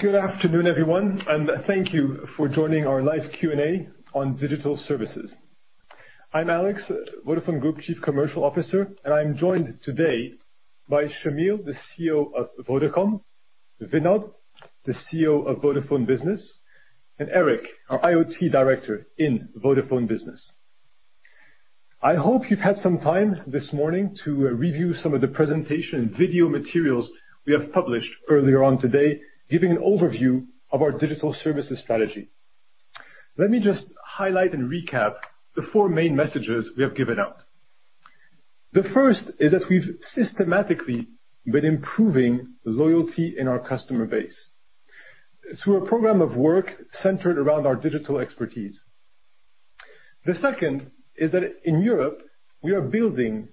Good afternoon, everyone, and thank you for joining our live Q&A on digital services. I'm Alex, Vodafone Group Chief Commercial Officer, and I'm joined today by Shameel Joosub, the CEO of Vodacom, Vinod, the CEO of Vodafone Business, and Erik, our IoT Director in Vodafone Business. I hope you've had some time this morning to review some of the presentation video materials we have published earlier on today, giving an overview of our digital services strategy. Let me just highlight and recap the four main messages we have given out. The first is that we've systematically been improving loyalty in our customer base through a program of work centered around our digital expertise. The second is that in Europe, we are building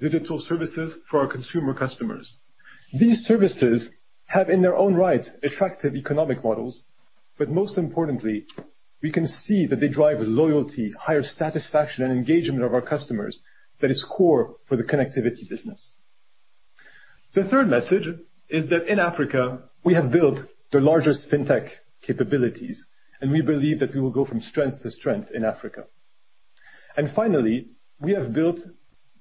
digital services for our consumer customers. These services have, in their own right, attractive economic models. Most importantly, we can see that they drive loyalty, higher satisfaction, and engagement of our customers that is core for the connectivity business. The third message is that in Africa, we have built the largest fintech capabilities, and we believe that we will go from strength to strength in Africa. Finally, we have built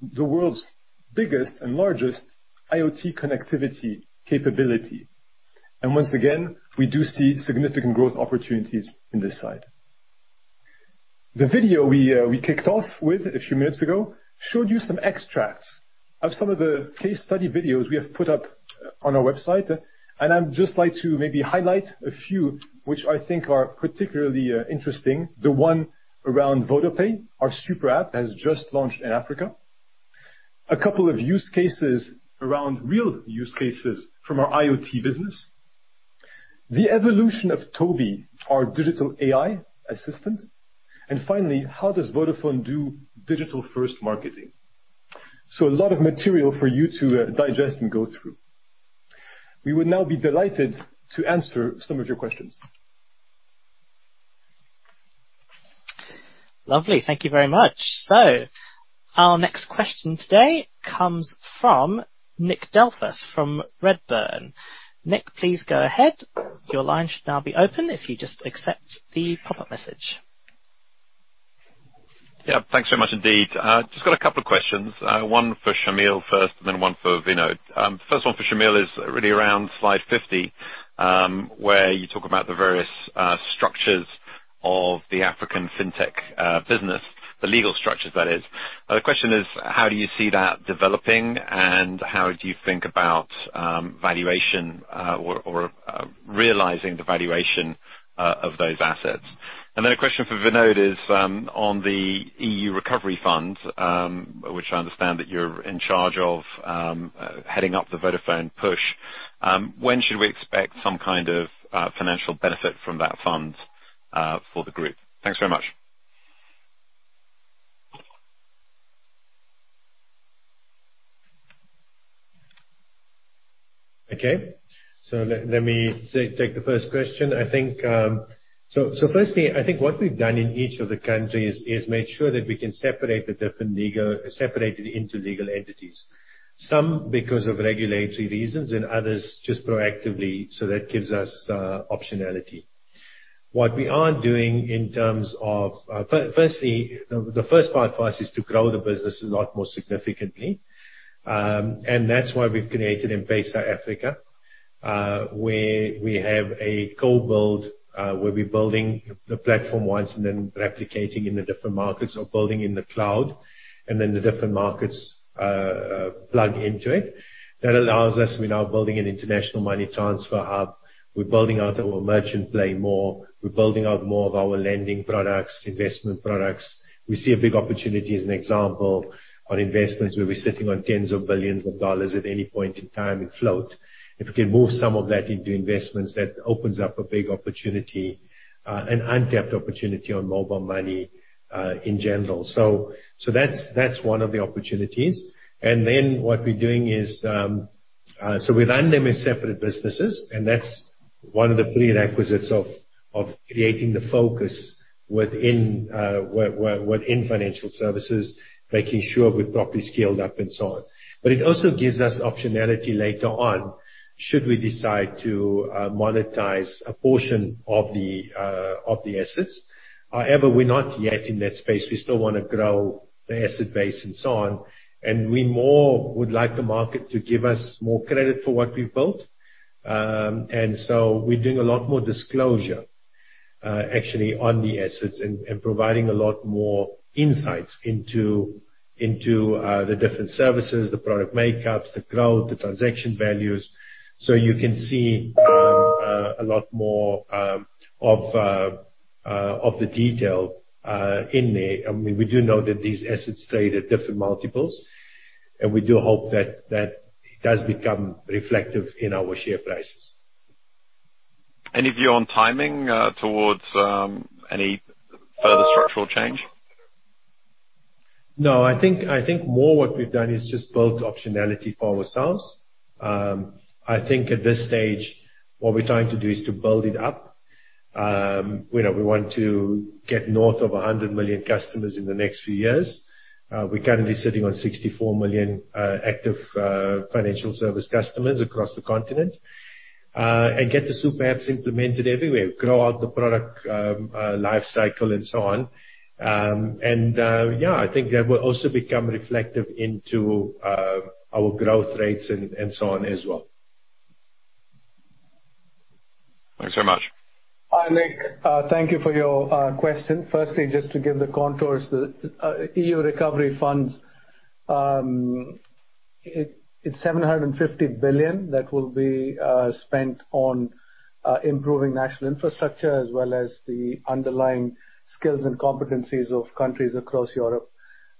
the world's biggest and largest IoT connectivity capability. Once again, we do see significant growth opportunities in this side. The video we kicked off with a few minutes ago showed you some extracts of some of the case study videos we have put up on our website. I'd just like to maybe highlight a few, which I think are particularly interesting. The one around VodaPay, our super app, has just launched in Africa. A couple of use cases around real use cases from our IoT business. The evolution of TOBi, our digital AI assistant. Finally, how does Vodafone do digital-first marketing? A lot of material for you to digest and go through. We would now be delighted to answer some of your questions. Lovely. Thank you very much. Our next question today comes from Nick Delfas from Redburn. Nick, please go ahead. Your line should now be open if you just accept the pop-up message. Yeah. Thanks very much indeed. Just got a couple of questions. One for Shameel first, and then one for Vinod. First one for Shameel is really around slide 50, where you talk about the various structures of the African fintech business, the legal structures, that is. The question is, how do you see that developing, and how do you think about valuation or realizing the valuation of those assets? A question for Vinod is, on the NextGenerationEU, which I understand that you're in charge of heading up the Vodafone push, when should we expect some kind of financial benefit from that fund for the group? Thanks very much. Okay. Let me take the first question. Firstly, I think what we've done in each of the countries is made sure that we can separate it into legal entities. Some because of regulatory reasons, and others just proactively. That gives us optionality. What we aren't doing in terms of firstly, the first part for us is to grow the business a lot more significantly. That's why we've created M-PESA Africa, where we have a co-build, where we're building the platform once and then replicating in the different markets or building in the cloud, and then the different markets plug into it. That allows us. We're now building an international money transfer hub. We're building out our merchant play more. We're building out more of our lending products, investment products. We see a big opportunity as an example on investments where we're sitting on tens of billions of dollars at any point in time in float. If we can move some of that into investments, that opens up a big opportunity, an untapped opportunity on mobile money in general. That's one of the opportunities. What we're doing is, so we run them as separate businesses, and that's one of the prerequisites of creating the focus within financial services, making sure we're properly scaled up and so on. It also gives us optionality later on, should we decide to monetize a portion of the assets. However, we're not yet in that space. We still want to grow the asset base and so on, and we more would like the market to give us more credit for what we've built. We're doing a lot more disclosure, actually, on the assets and providing a lot more insights into the different services, the product makeups, the growth, the transaction values. You can see a lot more of the detail in there. I mean, we do know that these assets trade at different multiples, and we do hope that that does become reflective in our share prices. Any view on timing towards any further structural change? No, I think more what we've done is just built optionality for ourselves. I think at this stage, what we're trying to do is to build it up. We want to get north of 100 million customers in the next few years. We're currently sitting on 64 million active financial service customers across the continent. Get the super apps implemented everywhere, grow out the product life cycle, and so on. I think that will also become reflective into our growth rates and so on as well. Thanks very much. Hi, Nick. Thank you for your question. Firstly, just to give the contours, the EU recovery funds, it's EUR 750 billion that will be spent on improving national infrastructure as well as the underlying skills and competencies of countries across Europe.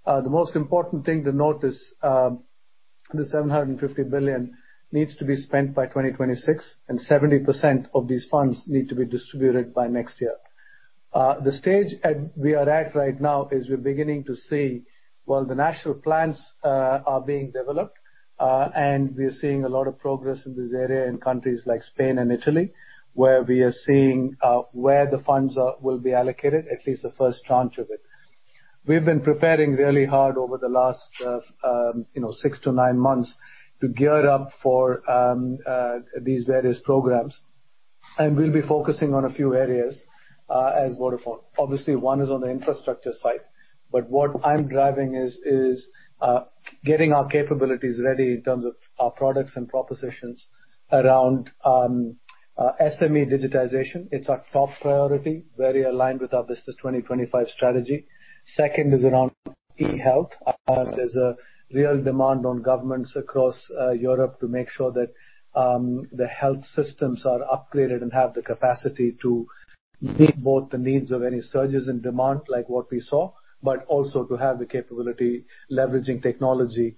The most important thing to note is the 750 billion needs to be spent by 2026, and 70% of these funds need to be distributed by next year. The stage we are at right now is we're beginning to see, well, the national plans are being developed, and we are seeing a lot of progress in this area in countries like Spain and Italy, where we are seeing where the funds will be allocated, at least the first tranche of it. We've been preparing really hard over the last 6 to 9 months to gear up for these various programs. We'll be focusing on a few areas as Vodafone. Obviously, one is on the infrastructure side. What I'm driving is getting our capabilities ready in terms of our products and propositions around SME digitization. It's our top priority, very aligned with our Vodafone 2025 Strategy. Second is around e-health. There's a real demand on governments across Europe to make sure that the health systems are upgraded and have the capacity to meet both the needs of any surges in demand, like what we saw, but also to have the capability, leveraging technology,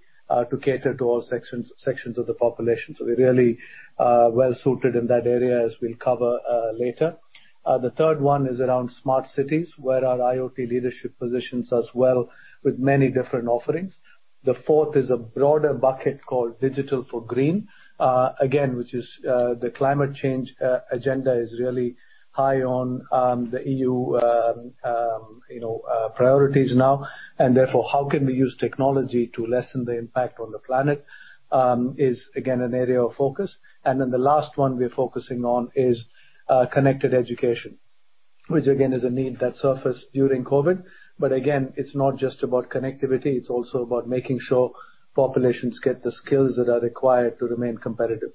to cater to all sections of the population. We're really well-suited in that area as we'll cover later. The third one is around smart cities, where our IoT leadership positions us well with many different offerings. The fourth is a broader bucket called digital for green. Again, which is the climate change agenda is really high on the EU priorities now, therefore, how can we use technology to lessen the impact on the planet is, again, an area of focus. The last one we're focusing on is connected education, which again, is a need that surfaced during COVID. Again, it's not just about connectivity, it's also about making sure populations get the skills that are required to remain competitive.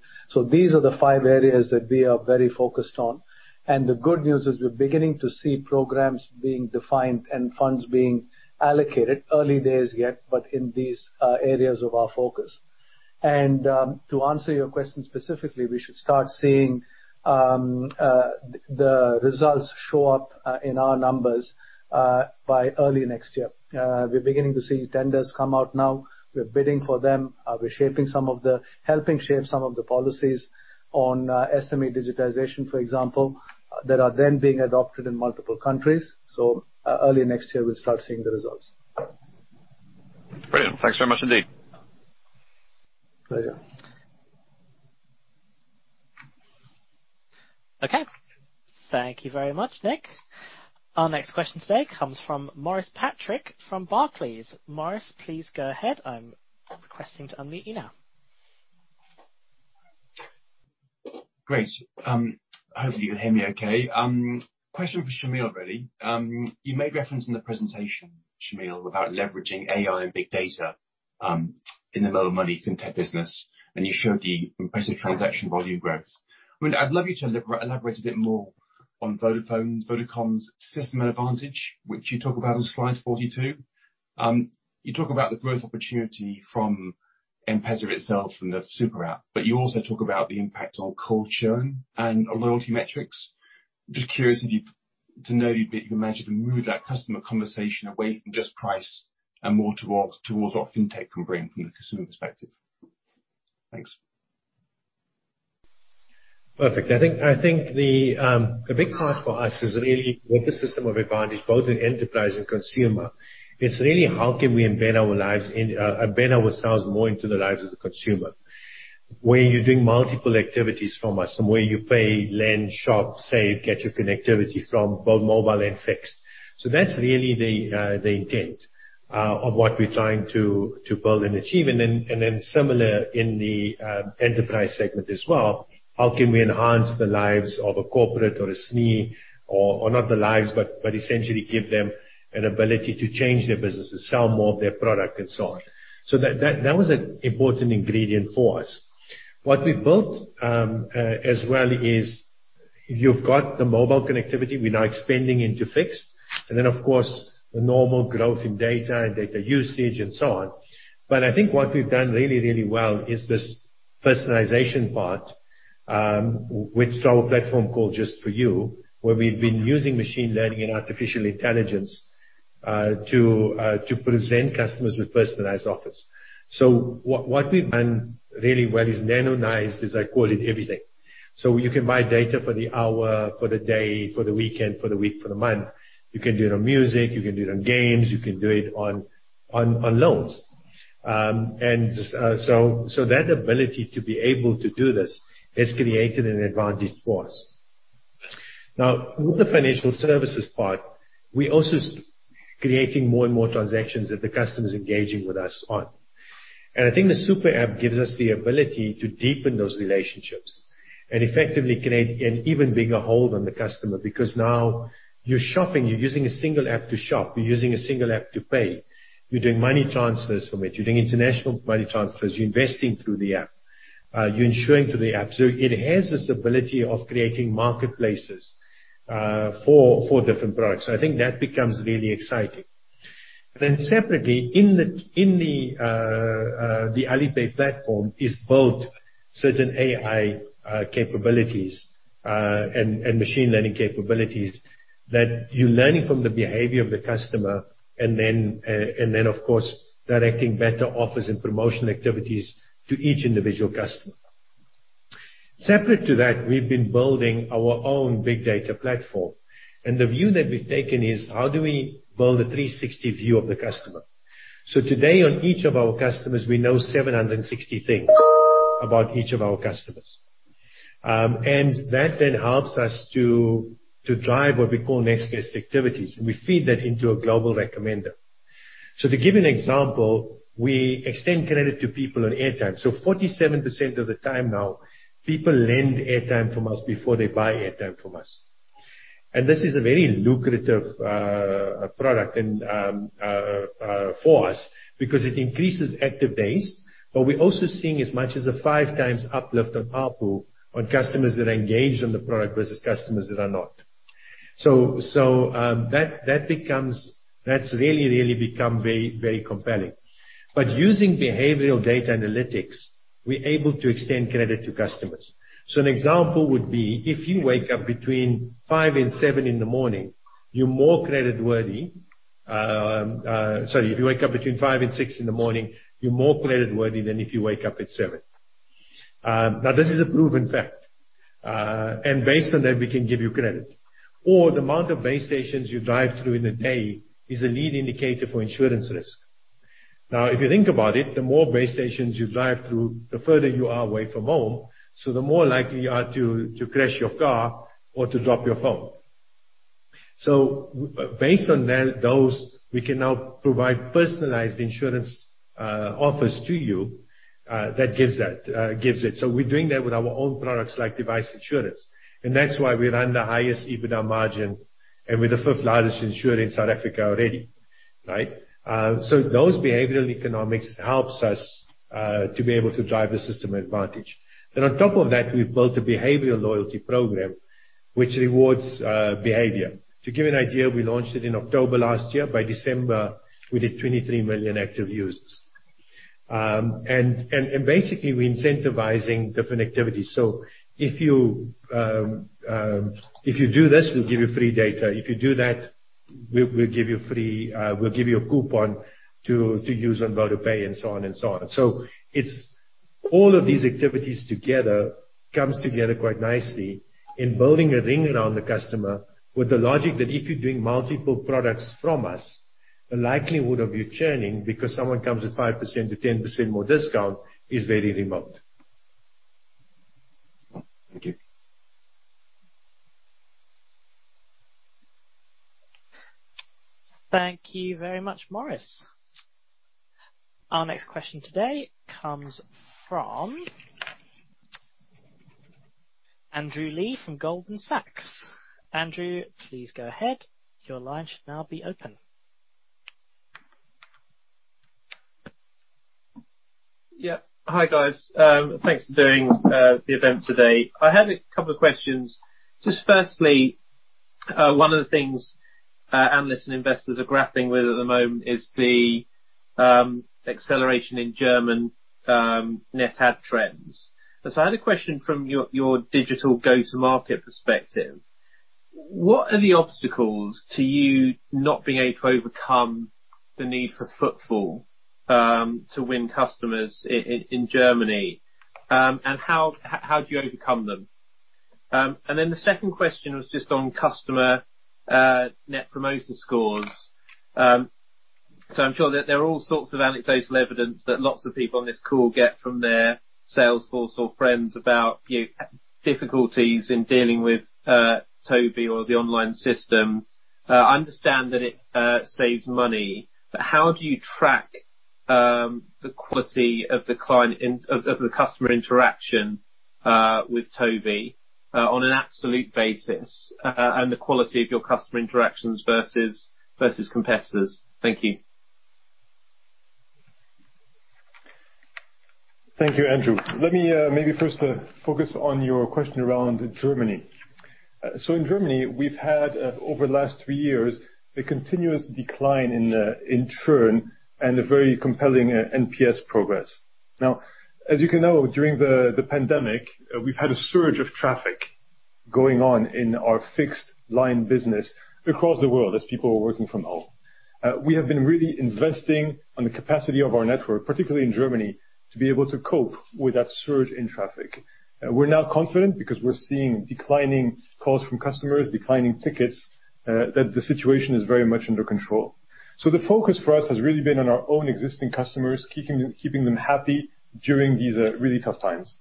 These are the five areas that we are very focused on. The good news is we're beginning to see programs being defined and funds being allocated. Early days yet, but in these areas of our focus. To answer your question specifically, we should start seeing the results show up in our numbers by early next year. We're beginning to see tenders come out now. We're bidding for them. We're helping shape some of the policies on SME digitization, for example, that are then being adopted in multiple countries. Early next year, we'll start seeing the results. Brilliant. Thanks very much indeed. Pleasure. Thank you very much, Nick. Our next question today comes from Maurice Patrick from Barclays. Maurice, please go ahead. Great. Hopefully you can hear me okay. Question for Shameel, really. You made reference in the presentation, Shameel, about leveraging AI and big data in the Mobile Money Fintech business, and you showed the impressive transaction volume growth. I'd love you to elaborate a bit more on Vodafone's, Vodacom's system advantage, which you talk about on slide 42. You talk about the growth opportunity from M-PESA itself and the super app, but you also talk about the impact on culture and on loyalty metrics. Just curious to know that you managed to move that customer conversation away from just price and more towards what fintech can bring from the consumer perspective. Thanks. Perfect. I think, a big part for us is really with the system of advantage, both in enterprise and consumer. It's really how can we embed ourselves more into the lives of the consumer. Where you're doing multiple activities from us, and where you pay, lend, shop, save, get your connectivity from both mobile and fixed. That's really the intent of what we're trying to build and achieve. Similar in the enterprise segment as well, how can we enhance the lives of a corporate or a SME, or not the lives, but essentially give them an ability to change their business, to sell more of their product, and so on. That was an important ingredient for us. What we built as well is you have the mobile connectivity, we are now expanding into fixed, and of course the normal growth in data and data usage and so on. I think what we have done really, really well is this personalization part, which is our platform called Just For You, where we have been using machine learning and artificial intelligence to present customers with personalized offers. What we have done really well is nano-nized, as I call it, everything. You can buy data for the hour, for the day, for the weekend, for the week, for the month. You can do it on music, you can do it on games, you can do it on loans. That ability to be able to do this has created an advantage for us. Now, with the financial services part, we're also creating more and more transactions that the customer is engaging with us on. I think the super app gives us the ability to deepen those relationships and effectively create an even bigger hold on the customer, because now you're shopping, you're using a single app to shop, you're using a single app to pay, you're doing money transfers from it, you're doing international money transfers, you're investing through the app, you're insuring through the app. It has this ability of creating marketplaces for different products. I think that becomes really exciting. Separately, in the Alipay platform is built certain AI capabilities and machine learning capabilities that you're learning from the behavior of the customer and then, of course, directing better offers and promotional activities to each individual customer. Separate to that, we've been building our own big data platform, and the view that we've taken is how do we build a 360 view of the customer? Today on each of our customers, we know 760 things about each of our customers. That then helps us to drive what we call next best activities, and we feed that into a global recommender. To give you an example, we extend credit to people on airtime. 47% of the time now, people lend airtime from us before they buy airtime from us. This is a very lucrative product for us because it increases active days. We're also seeing as much as a 5x uplift on ARPU on customers that are engaged on the product versus customers that are not. That's really become very compelling. Using behavioral data analytics, we're able to extend credit to customers. An example would be if you wake up between 5:00 and 7:00 in the morning, you're more creditworthy. Sorry, if you wake up between 5:00 and 6:00 in the morning, you're more creditworthy than if you wake up at 7:00. This is a proven fact. Based on that, we can give you credit. The amount of base stations you drive through in a day is a lead indicator for insurance risk. If you think about it, the more base stations you drive through, the further you are away from home, the more likely you are to crash your car or to drop your phone. Based on those, we can now provide personalized insurance offers to you that gives it. We're doing that with our own products like device insurance, and that's why we run the highest EBITDA margin and we're the fifth largest insurer in South Africa already. Those behavioral economics helps us to be able to drive a system advantage. On top of that, we've built a behavioral loyalty program which rewards behavior. To give you an idea, we launched it in October last year. By December, we did 23 million active users. Basically we're incentivizing different activities. If you do this, we'll give you free data. If you do that, we'll give you a coupon to use on VodaPay and so on. It's all of these activities together comes together quite nicely in building a ring around the customer with the logic that if you're doing multiple products from us, the likelihood of you churning because someone comes with 5%-10% more discount is very remote. Thank you. Thank you very much, Maurice. Our next question today comes from Andrew Lee from Goldman Sachs. Andrew, please go ahead. Your line should now be open. Yeah. Hi, guys. Thanks for doing the event today. I had a couple of questions. Firstly, one of the things analysts and investors are grappling with at the moment is the acceleration in German net add trends. I had a question from your digital go-to-market perspective. What are the obstacles to you not being able to overcome the need for footfall to win customers in Germany? How do you overcome them? The second question was just on customer net promoter scores. I'm sure that there are all sorts of anecdotal evidence that lots of people on this call get from their sales force or friends about difficulties in dealing with TOBi or the online system. I understand that it saves money, but how do you track the quality of the customer interaction with TOBi on an absolute basis, and the quality of your customer interactions versus competitors? Thank you. Thank you, Andrew. Let me maybe first focus on your question around Germany. In Germany, we've had, over the last three years, a continuous decline in churn and a very compelling NPS progress. As you can know, during the pandemic, we've had a surge of traffic going on in our fixed line business across the world as people were working from home. We have been really investing on the capacity of our network, particularly in Germany, to be able to cope with that surge in traffic. We're now confident because we're seeing declining calls from customers, declining tickets, that the situation is very much under control. The focus for us has really been on our own existing customers, keeping them happy during these really tough times.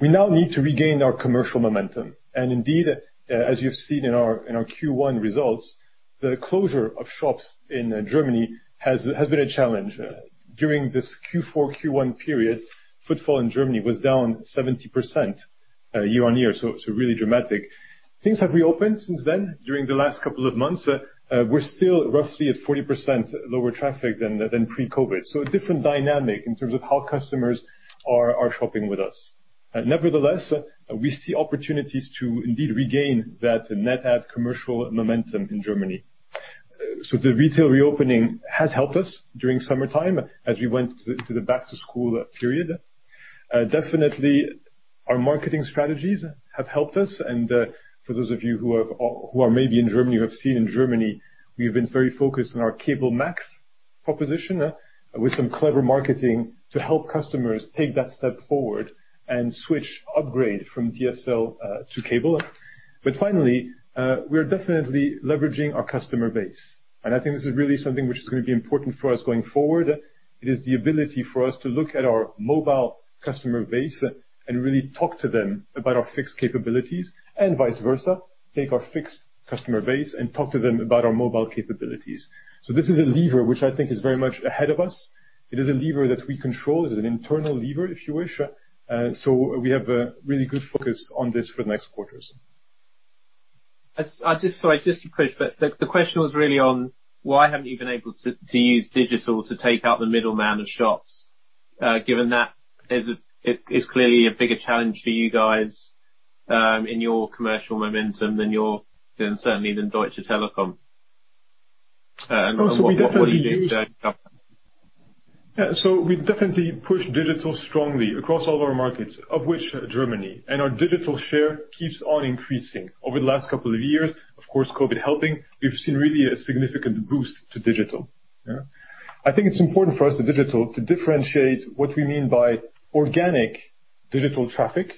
We now need to regain our commercial momentum. Indeed, as you've seen in our Q1 results, the closure of shops in Germany has been a challenge. During this Q4, Q1 period, footfall in Germany was down 70% year-over-year, so really dramatic. Things have reopened since then, during the last couple of months. We're still roughly at 40% lower traffic than pre-COVID. A different dynamic in terms of how customers are shopping with us. Nevertheless, we see opportunities to indeed regain that net add commercial momentum in Germany. The retail reopening has helped us during summertime as we went to the back-to-school period. Definitely, our marketing strategies have helped us. For those of you who are maybe in Germany, or have seen in Germany, we've been very focused on our CableMax proposition with some clever marketing to help customers take that step forward and switch, upgrade from DSL to cable. Finally, we are definitely leveraging our customer base. I think this is really something which is going to be important for us going forward. It is the ability for us to look at our mobile customer base and really talk to them about our fixed capabilities and vice versa, take our fixed customer base and talk to them about our mobile capabilities. This is a lever which I think is very much ahead of us. It is a lever that we control. It is an internal lever, if you wish. We have a really good focus on this for the next quarters. Sorry, just to push, but the question was really on why haven't you been able to use digital to take out the middleman of shops, given that it's clearly a bigger challenge for you guys in your commercial momentum than certainly, than Deutsche Telekom. What are you doing to overcome that? Yeah. We definitely push digital strongly across all of our markets, of which Germany. Our digital share keeps on increasing. Over the last couple of years, of course, COVID helping, we've seen really a significant boost to digital. I think it's important for us to differentiate what we mean by organic digital traffic.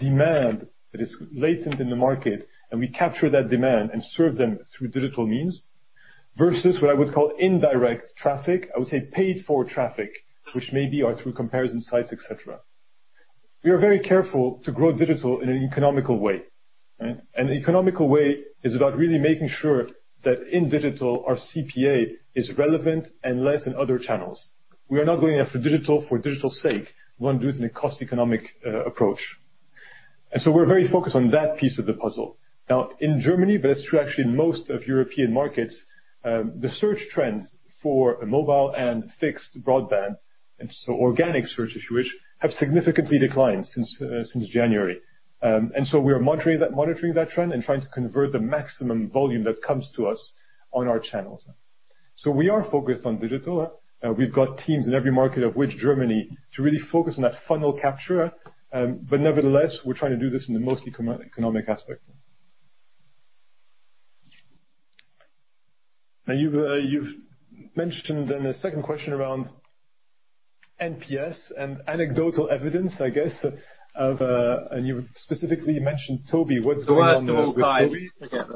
Demand that is latent in the market, and we capture that demand and serve them through digital means, versus what I would call indirect traffic. I would say paid-for traffic, which may be are through comparison sites, et cetera. We are very careful to grow digital in an economical way. Economical way is about really making sure that in digital, our CPA is relevant and less than other channels. We are not going after digital for digital's sake. We want to do it in a cost economic approach. We're very focused on that piece of the puzzle. In Germany, but it's true actually in most of European markets, the search trends for mobile and fixed broadband, organic search, if you wish, have significantly declined since January. We are monitoring that trend and trying to convert the maximum volume that comes to us on our channels. We are focused on digital. We've got teams in every market, of which Germany, to really focus on that funnel capture. Nevertheless, we're trying to do this in the most economic aspect. You've mentioned in a second question around NPS and anecdotal evidence, I guess, and you specifically mentioned TOBi. What's going on with TOBi? The last little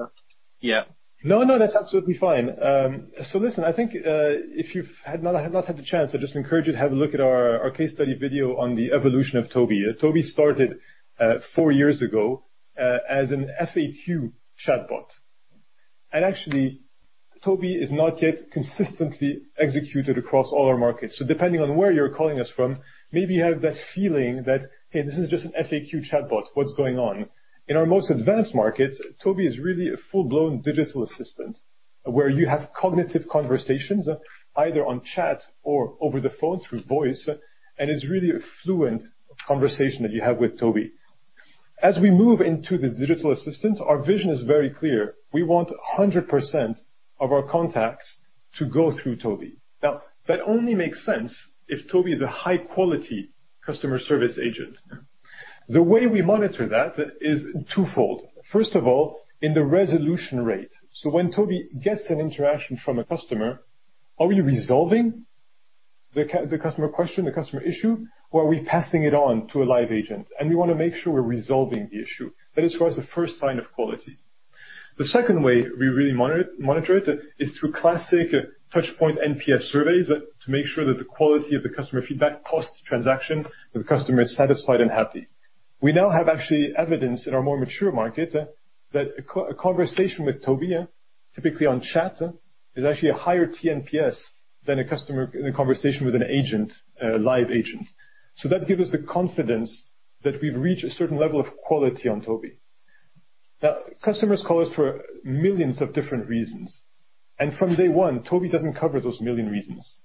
guide. Yeah. No, that's absolutely fine. Listen, I think, if you've not had the chance, I just encourage you to have a look at our case study video on the evolution of TOBi. TOBi started four years ago, as an FAQ chatbot. Actually, TOBi is not yet consistently executed across all our markets. Depending on where you're calling us from, maybe you have that feeling that, "Hey, this is just an FAQ chatbot. What's going on?" In our most advanced markets, TOBi is really a full-blown digital assistant where you have cognitive conversations either on chat or over the phone through voice, and it's really a fluent conversation that you have with TOBi. As we move into the digital assistant, our vision is very clear. We want 100% of our contacts to go through TOBi. That only makes sense if TOBi is a high-quality customer service agent. The way we monitor that is twofold. First of all, in the resolution rate. When TOBi gets an interaction from a customer, are we resolving the customer question, the customer issue, or are we passing it on to a live agent? We want to make sure we're resolving the issue. That is for us, the first sign of quality. The second way we really monitor it is through classic touchpoint NPS surveys to make sure that the quality of the customer feedback, post-transaction, that the customer is satisfied and happy. We now have actually evidence in our more mature markets that a conversation with TOBi, typically on chat, is actually a higher tNPS than a customer in a conversation with an agent, a live agent. That gives us the confidence that we've reached a certain level of quality on TOBi. Customers call us for millions of different reasons. From day one, TOBi doesn't cover those million reasons.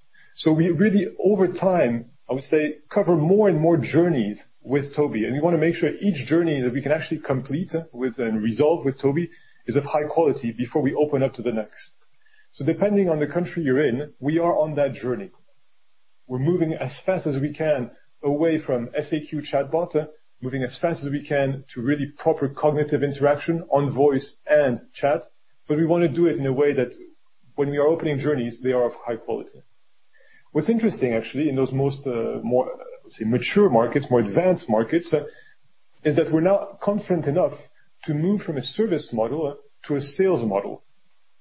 We really, over time, I would say, cover more and more journeys with TOBi, and we want to make sure each journey that we can actually complete with and resolve with TOBi is of high quality before we open up to the next. Depending on the country you're in, we are on that journey. We're moving as fast as we can away from FAQ chatbot, moving as fast as we can to really proper cognitive interaction on voice and chat. We want to do it in a way that when we are opening journeys, they are of high quality. What's interesting, actually, in those more, let's say, mature markets, more advanced markets is that we're now confident enough to move from a service model to a sales model.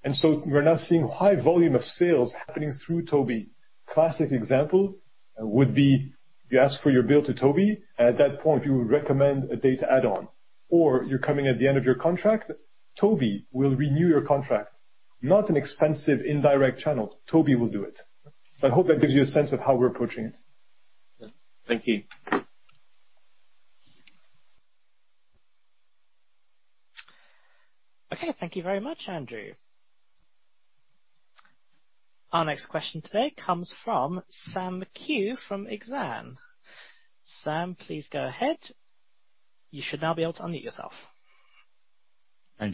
We're now seeing high volume of sales happening through TOBi. Classic example would be, you ask for your bill to TOBi. At that point, we would recommend a data add-on. You're coming at the end of your contract, TOBi will renew your contract. Not an expensive indirect channel. TOBi will do it. I hope that gives you a sense of how we're approaching it. Thank you. Okay. Thank you very much, Andrew Lee. Our next question today comes from Sam McHugh from Exane. Sam, please go ahead. [inaudible] Thank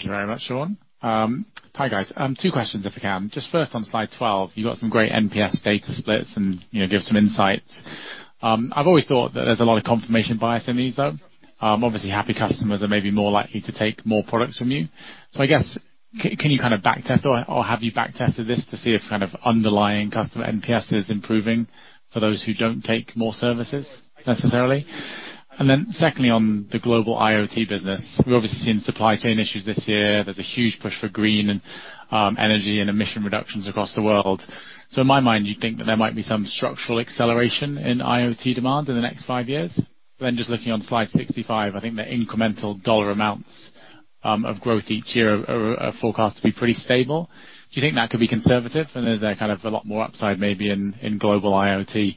you very much, Sean. Hi, guys. Two questions, if I can. Just first on slide 12, you got some great NPS data splits and give some insights. I've always thought that there's a lot of confirmation bias in these, though. Obviously, happy customers are maybe more likely to take more products from you. I guess, can you kind of back test, or have you back tested this to see if kind of underlying customer NPS is improving for those who don't take more services necessarily? Then secondly, on the global IoT business, we've obviously seen supply chain issues this year. There's a huge push for green energy and emission reductions across the world. In my mind, you'd think that there might be some structural acceleration in IoT demand in the next five years. Just looking on slide 65, I think the incremental dollar amounts of growth each year are forecast to be pretty stable. Do you think that could be conservative, and there's a lot more upside maybe in global IoT?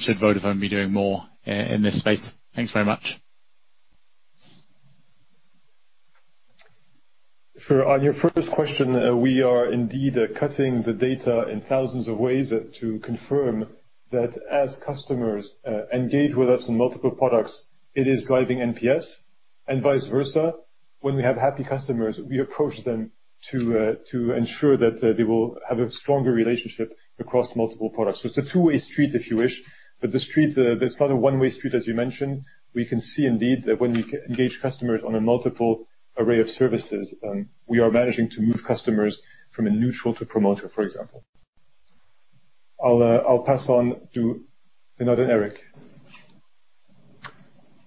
Should Vodafone be doing more in this space? Thanks very much. On your first question, we are indeed cutting the data in thousands of ways to confirm that as customers engage with us in multiple products, it is driving NPS and vice versa. When we have happy customers, we approach them to ensure that they will have a stronger relationship across multiple products. It's a two-way street, if you wish, but it's not a one-way street, as you mentioned. We can see indeed, that when we engage customers on a multiple array of services, we are managing to move customers from a neutral to promoter, for example. I'll pass on to another Erik.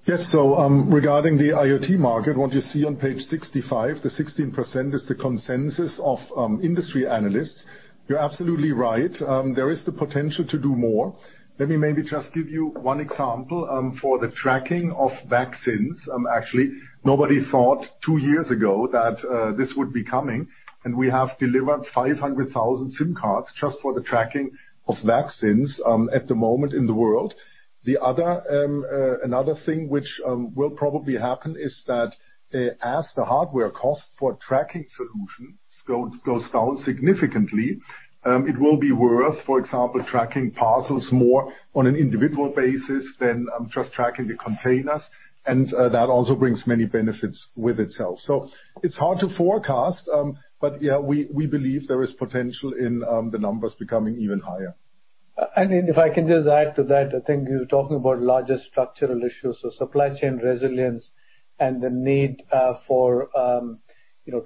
Yes. Regarding the IoT market, what you see on page 65, the 16% is the consensus of industry analysts. You're absolutely right, there is the potential to do more. Let me maybe just give you one example. For the tracking of vaccines, actually, nobody thought two years ago that this would be coming, and we have delivered 500,000 SIM cards just for the tracking of vaccines at the moment in the world. Another thing which will probably happen is that, as the hardware cost for tracking solutions goes down significantly, it will be worth, for example, tracking parcels more on an individual basis than just tracking the containers. That also brings many benefits with itself. It's hard to forecast. Yeah, we believe there is potential in the numbers becoming even higher. If I can just add to that, I think you're talking about larger structural issues. Supply chain resilience and the need for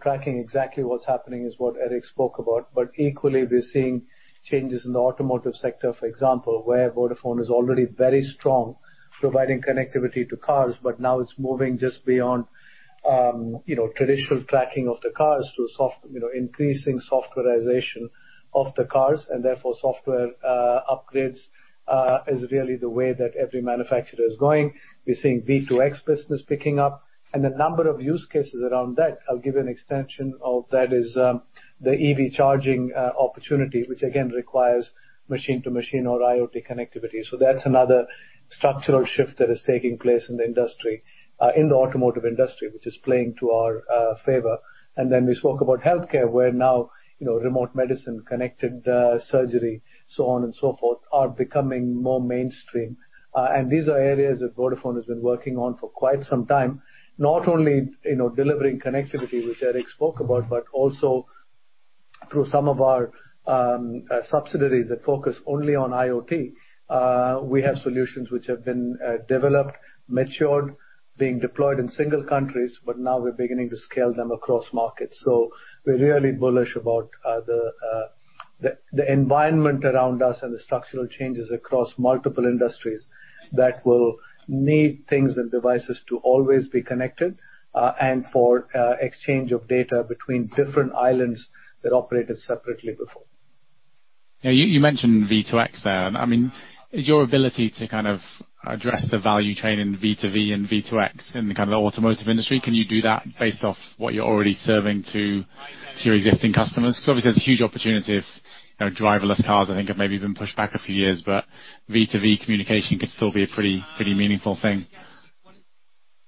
tracking exactly what's happening is what Erik spoke about. Equally, we're seeing changes in the automotive sector, for example, where Vodafone is already very strong, providing connectivity to cars. Now it's moving just beyond traditional tracking of the cars to increasing softwarization of the cars, and therefore software upgrades, is really the way that every manufacturer is going. We're seeing V2X business picking up and the number of use cases around that. I'll give an extension of that is the EV charging opportunity, which again requires machine-to-machine or IoT connectivity. That's another structural shift that is taking place in the industry, in the automotive industry, which is playing to our favor. We spoke about healthcare, where now remote medicine, connected surgery, so on and so forth, are becoming more mainstream. These are areas that Vodafone has been working on for quite some time, not only delivering connectivity, which Erik spoke about, but also through some of our subsidiaries that focus only on IoT. We have solutions which have been developed, matured, being deployed in single countries, but now we're beginning to scale them across markets. We're really bullish about the environment around us and the structural changes across multiple industries that will need things and devices to always be connected, and for exchange of data between different islands that operated separately before. You mentioned V2X there. Is your ability to kind of address the value chain in V2V and V2X in the kind of automotive industry, can you do that based off what you're already serving to your existing customers? Obviously, there's a huge opportunity if driverless cars, I think, have maybe been pushed back a few years. V2V communication could still be a pretty meaningful thing.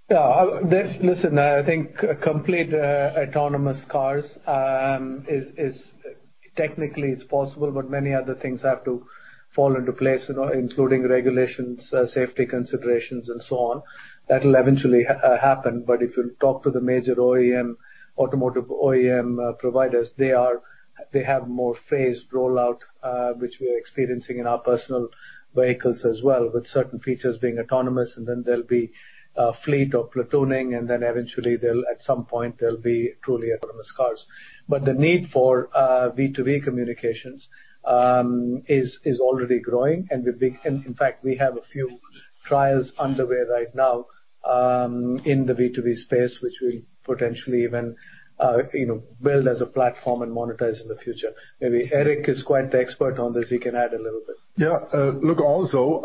Listen, I think complete autonomous cars is. Technically it's possible, many other things have to fall into place, including regulations, safety considerations, and so on. That'll eventually happen, if you talk to the major automotive OEM providers, they have more phased rollout, which we're experiencing in our personal vehicles as well, with certain features being autonomous, there'll be a fleet of platooning, eventually, at some point, there'll be truly autonomous cars. The need for V2V communications is already growing, in fact, we have a few trials underway right now in the V2V space, which we'll potentially even build as a platform and monetize in the future. Maybe Erik is quite the expert on this. He can add a little bit. Yeah. Look, also,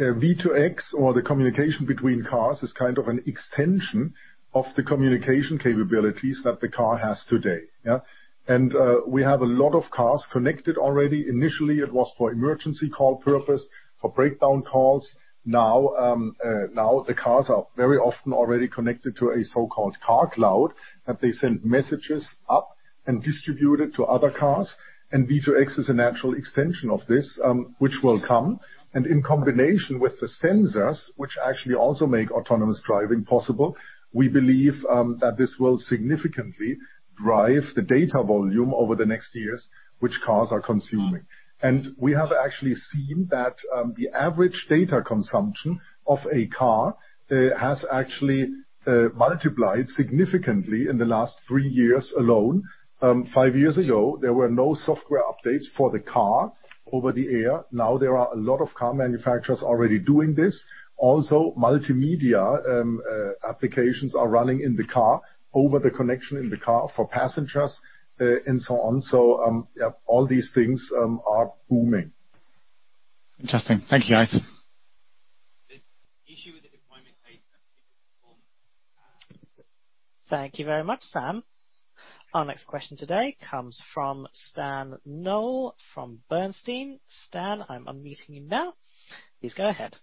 V2X or the communication between cars is kind of an extension of the communication capabilities that the car has today. Yeah. We have a lot of cars connected already. Initially, it was for emergency call purpose, for breakdown calls. Now, the cars are very often already connected to a so-called car cloud, that they send messages up and distribute it to other cars. V2X is a natural extension of this, which will come. In combination with the sensors, which actually also make autonomous driving possible, we believe that this will significantly drive the data volume over the next years, which cars are consuming. We have actually seen that the average data consumption of a car has actually multiplied significantly in the last three years alone. Five years ago, there were no software updates for the car over the air. There are a lot of car manufacturers already doing this. Multimedia applications are running in the car over the connection in the car for passengers, and so on. All these things are booming. Interesting. Thank you, guys. The issue with the deployment pace. Thank you very much, Sam. Our next question today comes from Stan Noel from Bernstein. Stan, I'm unmuting you now. Please go ahead.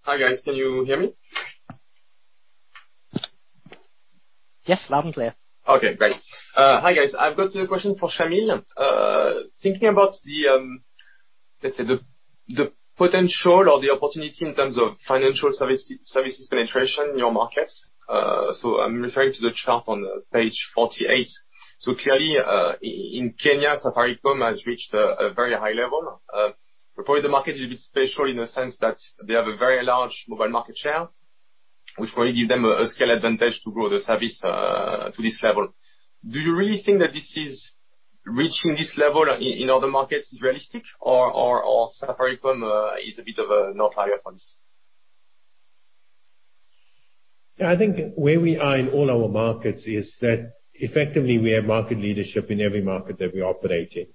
Hi, guys. Can you hear me? Yes, loud and clear. Okay, great. Hi, guys. I've got a question for Shameel. Thinking about the, let's say, the potential or the opportunity in terms of financial services penetration in your markets. I'm referring to the chart on page 48. Clearly, in Kenya, Safaricom has reached a very high level. Probably the market is a bit special in the sense that they have a very large mobile market share, which will give them a scale advantage to grow the service to this level. Do you really think that reaching this level in other markets is realistic or Safaricom is a bit of an outlier on this? Yeah, I think where we are in all our markets is that effectively we have market leadership in every market that we operate in,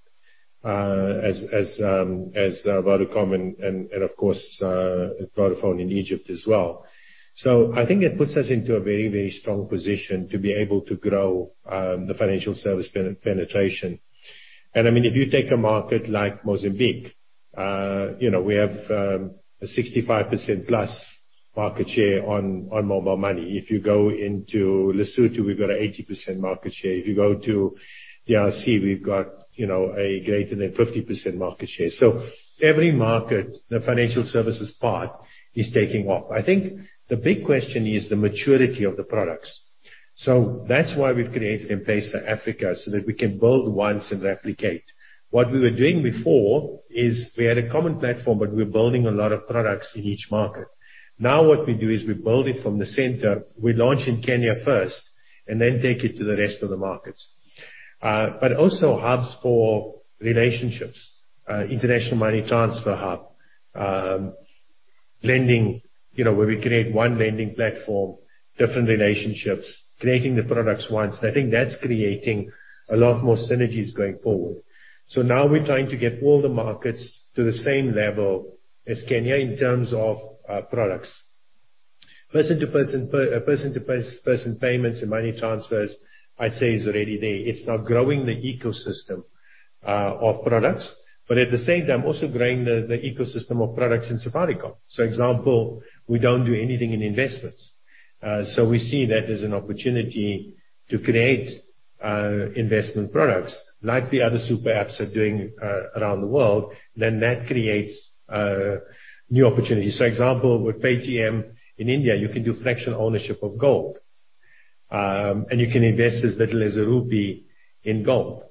as Vodacom and, of course, Vodafone in Egypt as well. I think it puts us into a very, very strong position to be able to grow the financial service penetration. If you take a market like Mozambique, we have a 65%-plus market share on mobile money. If you go into Lesotho, we've got an 80% market share. If you go to DRC, we've got a greater than 50% market share. Every market, the financial services part is taking off. I think the big question is the maturity of the products. That's why we've created M-PESA Africa, so that we can build once and replicate. What we were doing before is we had a common platform, but we were building a lot of products in each market. Now what we do is we build it from the center. We launch in Kenya first and then take it to the rest of the markets. Also hubs for relationships. International money transfer hub. Lending, where we create one lending platform, different relationships, creating the products once. I think that's creating a lot more synergies going forward. Now we're trying to get all the markets to the same level as Kenya in terms of products. Person-to-person payments and money transfers, I'd say, is already there. It's now growing the ecosystem of products, but at the same time, also growing the ecosystem of products in Safaricom. Example, we don't do anything in investments. We see that as an opportunity to create investment products like the other super apps are doing around the world, then that creates new opportunities. Example, with Paytm in India, you can do fractional ownership of gold, and you can invest as little as a rupee in gold.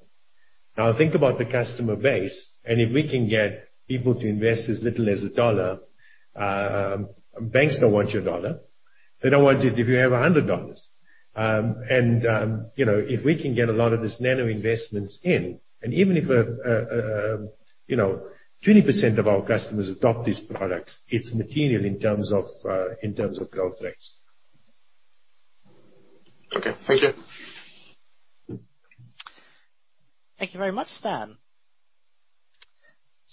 Now think about the customer base, and if we can get people to invest as little as a dollar. Banks don't want your dollar. They don't want it if you have $100. If we can get a lot of these nano investments in, and even if 20% of our customers adopt these products, it's material in terms of growth rates. Okay. Thank you. Thank you very much, Stan.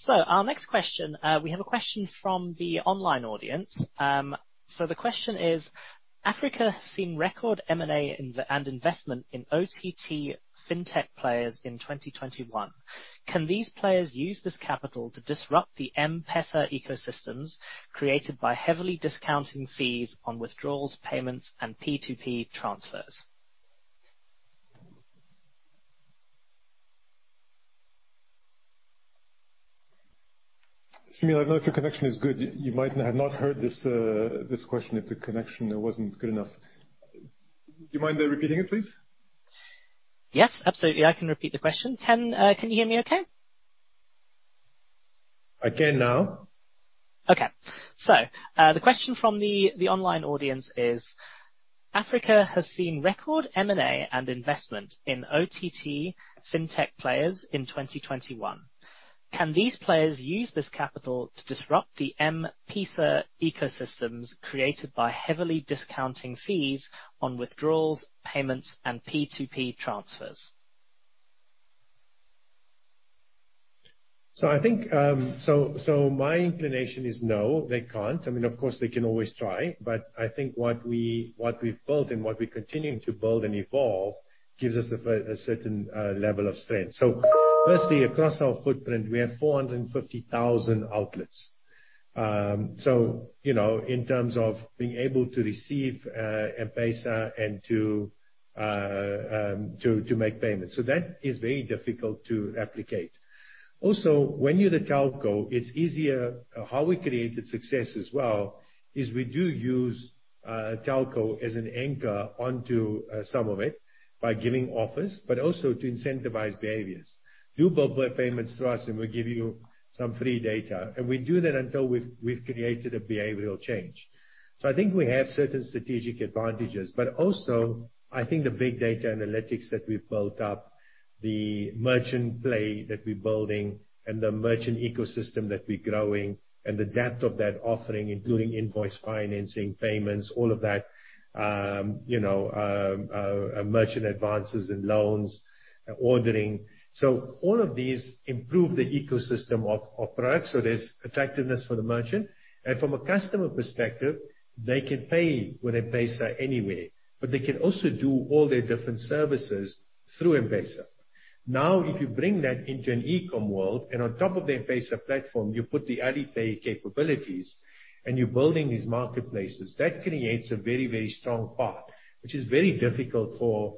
Our next question, we have a question from the online audience. The question is: Africa has seen record M&A and investment in OTT Fintech players in 2021. Can these players use this capital to disrupt the M-PESA ecosystems created by heavily discounting fees on withdrawals, payments, and P2P transfers? Shameel, I don't know if your connection is good. You might have not heard this question if the connection wasn't good enough. Do you mind repeating it, please? Yes, absolutely. I can repeat the question. Can you hear me okay? Again now. Okay. The question from the online audience is: Africa has seen record M&A and investment in OTT Fintech players in 2021. Can these players use this capital to disrupt the M-PESA ecosystems created by heavily discounting fees on withdrawals, payments, and P2P transfers? My inclination is no, they can't. Of course, they can always try, but I think what we've built and what we're continuing to build and evolve gives us a certain level of strength. Firstly, across our footprint, we have 450,000 outlets. In terms of being able to receive M-PESA and to make payments. That is very difficult to replicate. When you're the telco, it's easier. How we created success as well, is we do use telco as an anchor onto some of it by giving offers, but also to incentivize behaviors. Do mobile payments through us, and we give you some free data. We do that until we've created a behavioral change. I think we have certain strategic advantages, but also, I think the big data analytics that we've built up, the merchant play that we're building, and the merchant ecosystem that we're growing, and the depth of that offering, including invoice financing, payments, all of that, merchant advances and loans, ordering. All of these improve the ecosystem of products. There's attractiveness for the merchant. From a customer perspective, they can pay with M-PESA anywhere, but they can also do all their different services through M-PESA. If you bring that into an e-com world, and on top of the M-PESA platform, you put the Alipay capabilities, and you're building these marketplaces. That creates a very strong path, which is very difficult for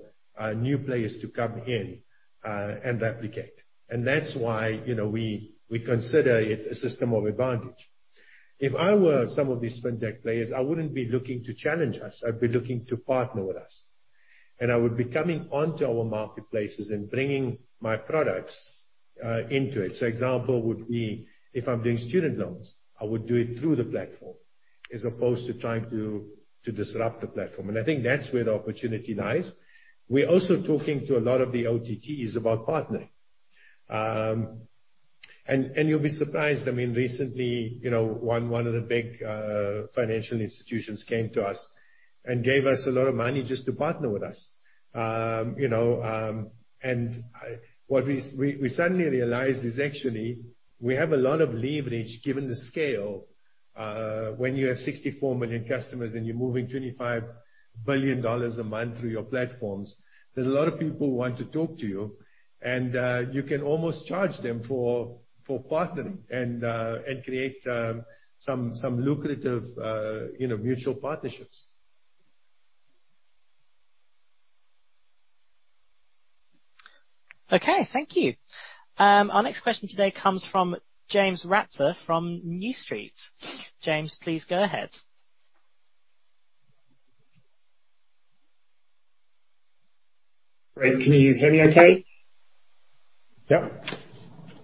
new players to come in and replicate. That's why we consider it a system of advantage. If I were some of these Fintech players, I wouldn't be looking to challenge us. I'd be looking to partner with us. I would be coming onto our marketplaces and bringing my products into it. Example would be, if I'm doing student loans, I would do it through the platform as opposed to trying to disrupt the platform. I think that's where the opportunity lies. We're also talking to a lot of the OTTs about partnering. You'll be surprised, recently, one of the big financial institutions came to us and gave us a lot of money just to partner with us. What we suddenly realized is actually, we have a lot of leverage given the scale. When you have 64 million customers and you're moving $25 billion a month through your platforms, there's a lot of people who want to talk to you, and you can almost charge them for partnering and create some lucrative mutual partnerships. Okay, thank you. Our next question today comes from James Ratzer from New Street Research. James, please go ahead. Great. Can you hear me okay? Yep.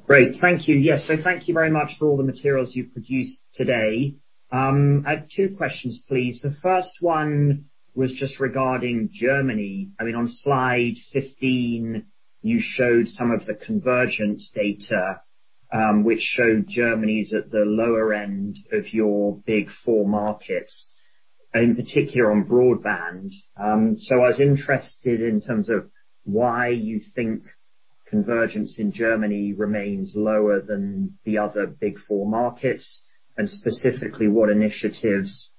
Great. Thank you. Yes. Thank you very much for all the materials you've produced today. I have two questions, please. The first one was just regarding Germany. On slide 15, you showed some of the convergence data, which showed Germany's at the lower end of your Big 4 markets, in particular on broadband. I was interested in terms of why you think convergence in Germany remains lower than the other Big 4 markets, and specifically, what initiatives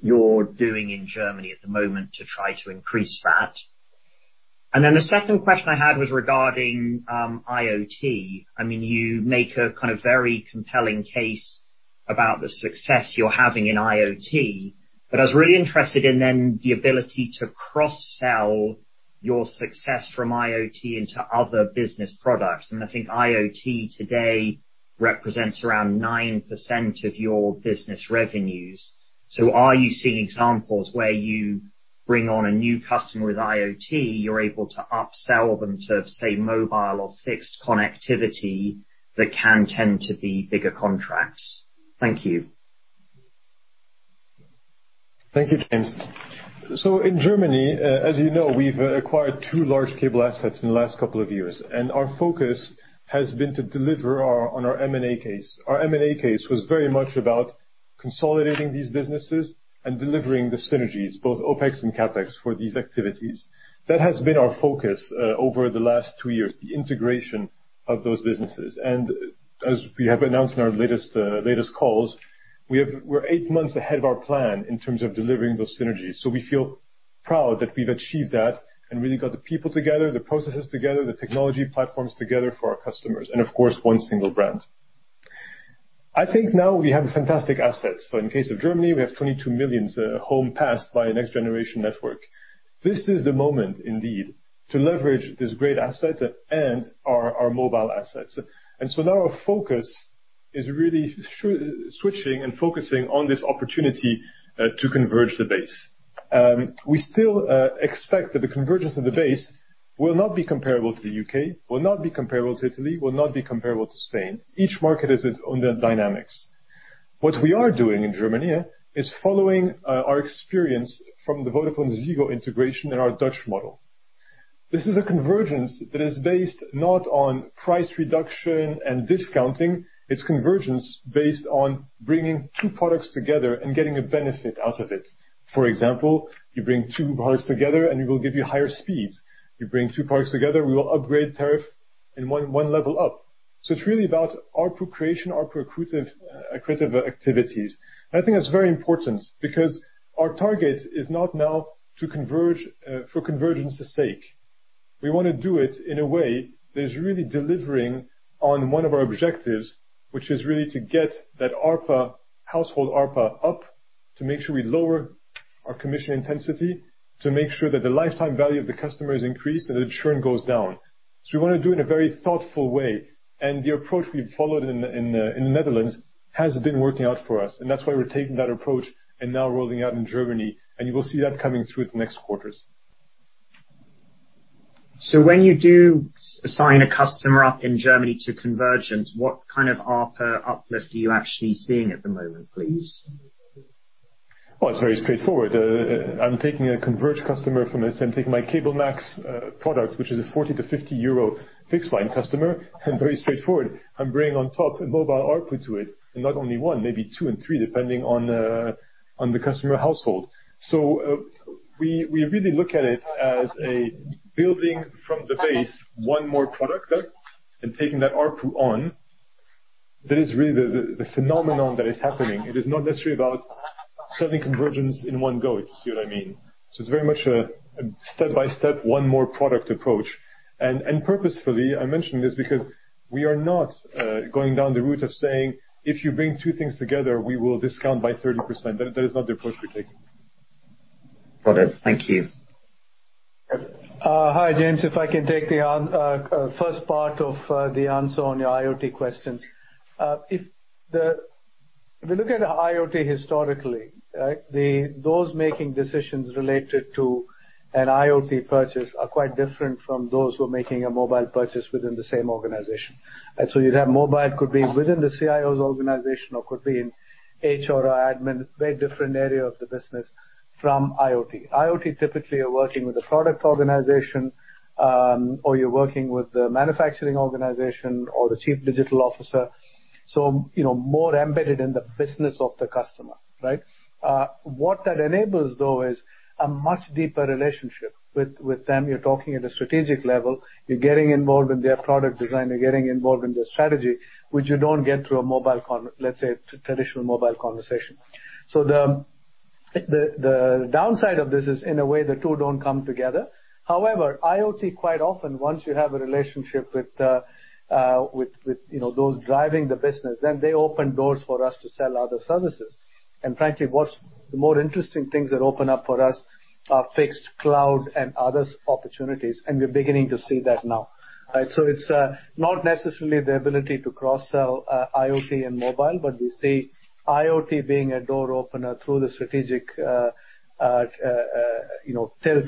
you're doing in Germany at the moment to try to increase that. The second question I had was regarding IoT. You make a very compelling case about the success you're having in IoT, I was really interested in then the ability to cross-sell your success from IoT into other business products. I think IoT today represents around 9% of your business revenues. Are you seeing examples where you bring on a new customer with IoT, you're able to upsell them to, say, mobile or fixed connectivity that can tend to be bigger contracts? Thank you. Thank you, James. In Germany, as you know, we've acquired two large cable assets in the last couple of years, and our focus has been to deliver on our M&A case. Our M&A case was very much about consolidating these businesses and delivering the synergies, both OpEx and CapEx for these activities. That has been our focus over the last two years, the integration of those businesses. As we have announced in our latest calls, we're eight months ahead of our plan in terms of delivering those synergies. We feel proud that we've achieved that and really got the people together, the processes together, the technology platforms together for our customers. Of course, one single brand. I think now we have fantastic assets. In the case of Germany, we have 22 million home passed by a next-generation network. This is the moment indeed, to leverage this great asset and our mobile assets. Now our focus is really switching and focusing on this opportunity to converge the base. We still expect that the convergence of the base will not be comparable to the U.K., will not be comparable to Italy, will not be comparable to Spain. Each market has its own dynamics. What we are doing in Germany is following our experience from the VodafoneZiggo integration and our Dutch model. This is a convergence that is based not on price reduction and discounting. It's convergence based on bringing two products together and getting a benefit out of it. For example, you bring two products together, and we will give you higher speeds. You bring two products together, we will upgrade tariff in one level up. It's really about ARPU creation, ARPU accretive activities. I think that's very important because our target is not now to converge for convergence's sake. We want to do it in a way that is really delivering on one of our objectives, which is really to get that household ARPU up to make sure we lower our commission intensity, to make sure that the lifetime value of the customer is increased, and the churn goes down. We want to do it in a very thoughtful way, and the approach we've followed in the Netherlands has been working out for us, and that's why we're taking that approach and now rolling out in Germany, and you will see that coming through the next quarters. When you do sign a customer up in Germany to convergence, what kind of ARPU uplift are you actually seeing at the moment, please? It's very straightforward. I'm taking a converged customer from Say I'm taking my CableMax product, which is a 40-50 euro fixed line customer, and very straightforward, I'm bringing on top a mobile ARPU to it. Not only one, maybe two and three, depending on the customer household. We really look at it as a building from the base, one more product, and taking that ARPU on. That is really the phenomenon that is happening. It is not necessarily about selling convergence in one go. Do you see what I mean? It's very much a step-by-step, one more product approach. Purposefully, I mention this because we are not going down the route of saying, "If you bring two things together, we will discount by 30%." That is not the approach we're taking. Got it. Thank you. Hi, James. I can take the first part of the answer on your IoT questions. We look at IoT historically, those making decisions related to an IoT purchase are quite different from those who are making a mobile purchase within the same organization. You'd have mobile, could be within the CIO's organization or could be in HR or admin, very different area of the business from IoT. IoT typically you're working with a product organization, or you're working with the manufacturing organization or the chief digital officer. More embedded in the business of the customer, right? What that enables, though, is a much deeper relationship with them. You're talking at a strategic level. You're getting involved in their product design. You're getting involved in their strategy, which you don't get through a traditional mobile conversation. The downside of this is, in a way, the two don't come together. However, IoT quite often, once you have a relationship with those driving the business, then they open doors for us to sell other services. Frankly, what's the more interesting things that open up for us are fixed cloud and others opportunities. We're beginning to see that now, right? It's not necessarily the ability to cross-sell IoT and mobile, but we see IoT being a door opener through the strategic tilt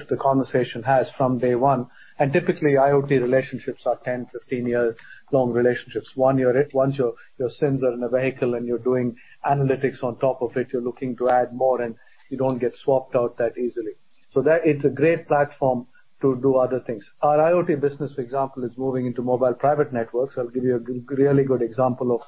the conversation has from day one. Typically, IoT relationships are 10, 15-year-long relationships. Once your SIMs are in a vehicle and you're doing analytics on top of it, you're looking to add more in, you don't get swapped out that easily. That it's a great platform to do other things. Our IoT business, for example, is moving into mobile private networks. I'll give you a really good example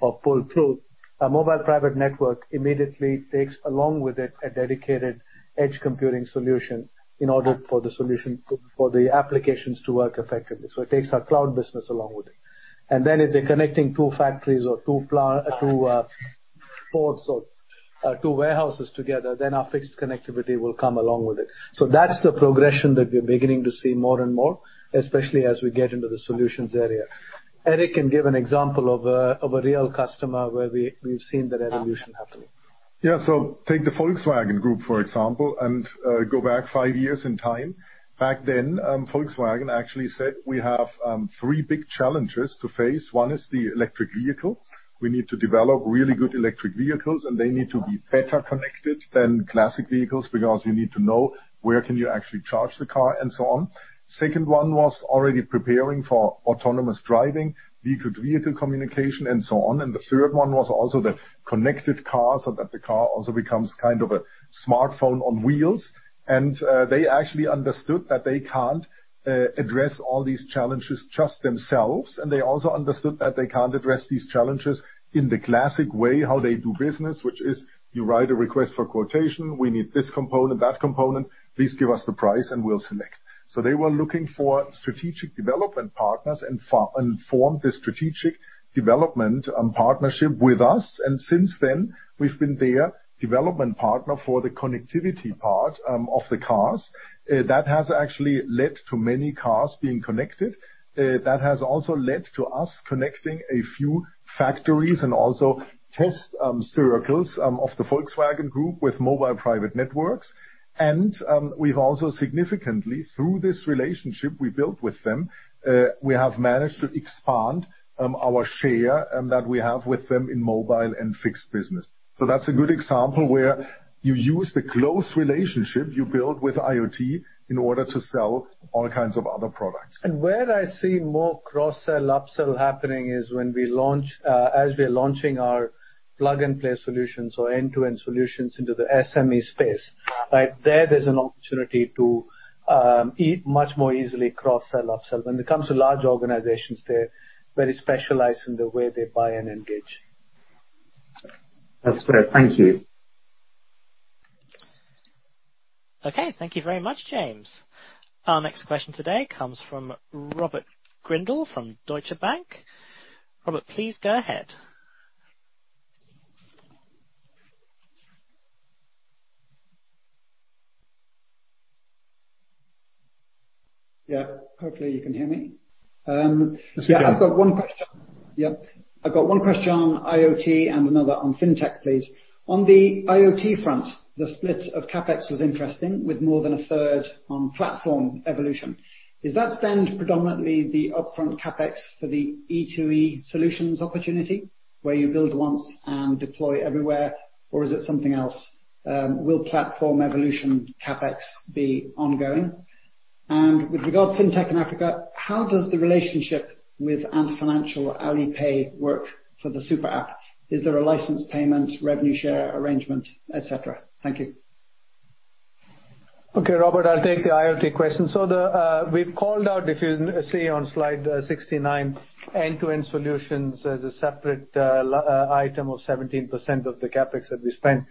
of pull-through. A mobile private network immediately takes along with it a dedicated edge computing solution in order for the applications to work effectively. It takes our cloud business along with it. If they're connecting two factories or two ports or two warehouses together, then our fixed connectivity will come along with it. That's the progression that we're beginning to see more and more, especially as we get into the solutions area. Erik can give an example of a real customer where we've seen that evolution happening. Yeah. Take the Volkswagen Group, for example, and go back five years in time. Back then, Volkswagen actually said, "We have three big challenges to face. One is the electric vehicle. We need to develop really good electric vehicles, and they need to be better connected than classic vehicles because you need to know where can you actually charge the car and so on." Second one was already preparing for autonomous driving, vehicle-to-vehicle communication, and so on. The third one was also the connected car, so that the car also becomes kind of a smartphone on wheels. They actually understood that they can't address all these challenges just themselves, and they also understood that they can't address these challenges in the classic way, how they do business, which is you write a request for quotation. We need this component, that component. Please give us the price, and we'll select. They were looking for strategic development partners and formed this strategic development partnership with us. Since then, we've been their development partner for the connectivity part of the cars. That has actually led to many cars being connected. That has also led to us connecting a few factories and also test circles of the Volkswagen Group with mobile private networks. We've also significantly, through this relationship we built with them, we have managed to expand our share that we have with them in mobile and fixed business. That's a good example where you use the close relationship you build with IoT in order to sell all kinds of other products. Where I see more cross-sell, up-sell happening is as we're launching our plug-and-play solutions or end-to-end solutions into the SME space. There's an opportunity to much more easily cross-sell, up-sell. When it comes to large organizations, they're very specialized in the way they buy and engage. That's fair. Thank you. Okay. Thank you very much, James. Our next question today comes from Robert Grindle from Deutsche Bank. Robert, please go ahead. Yeah. Hopefully, you can hear me. Yes, we can. I've got one question on IoT and another on fintech, please. On the IoT front, the split of CapEx was interesting, with more than a third on platform evolution. Is that spend predominantly the upfront CapEx for the E2E solutions opportunity where you build once and deploy everywhere, or is it something else? Will platform evolution CapEx be ongoing? With regard to fintech in Africa, how does the relationship with Ant Group Alipay work for the super app? Is there a license payment, revenue share arrangement, et cetera? Thank you. Robert, I'll take the IoT question. We've called out, if you see on slide 69, end-to-end solutions as a separate item of 17% of the CapEx that we spent.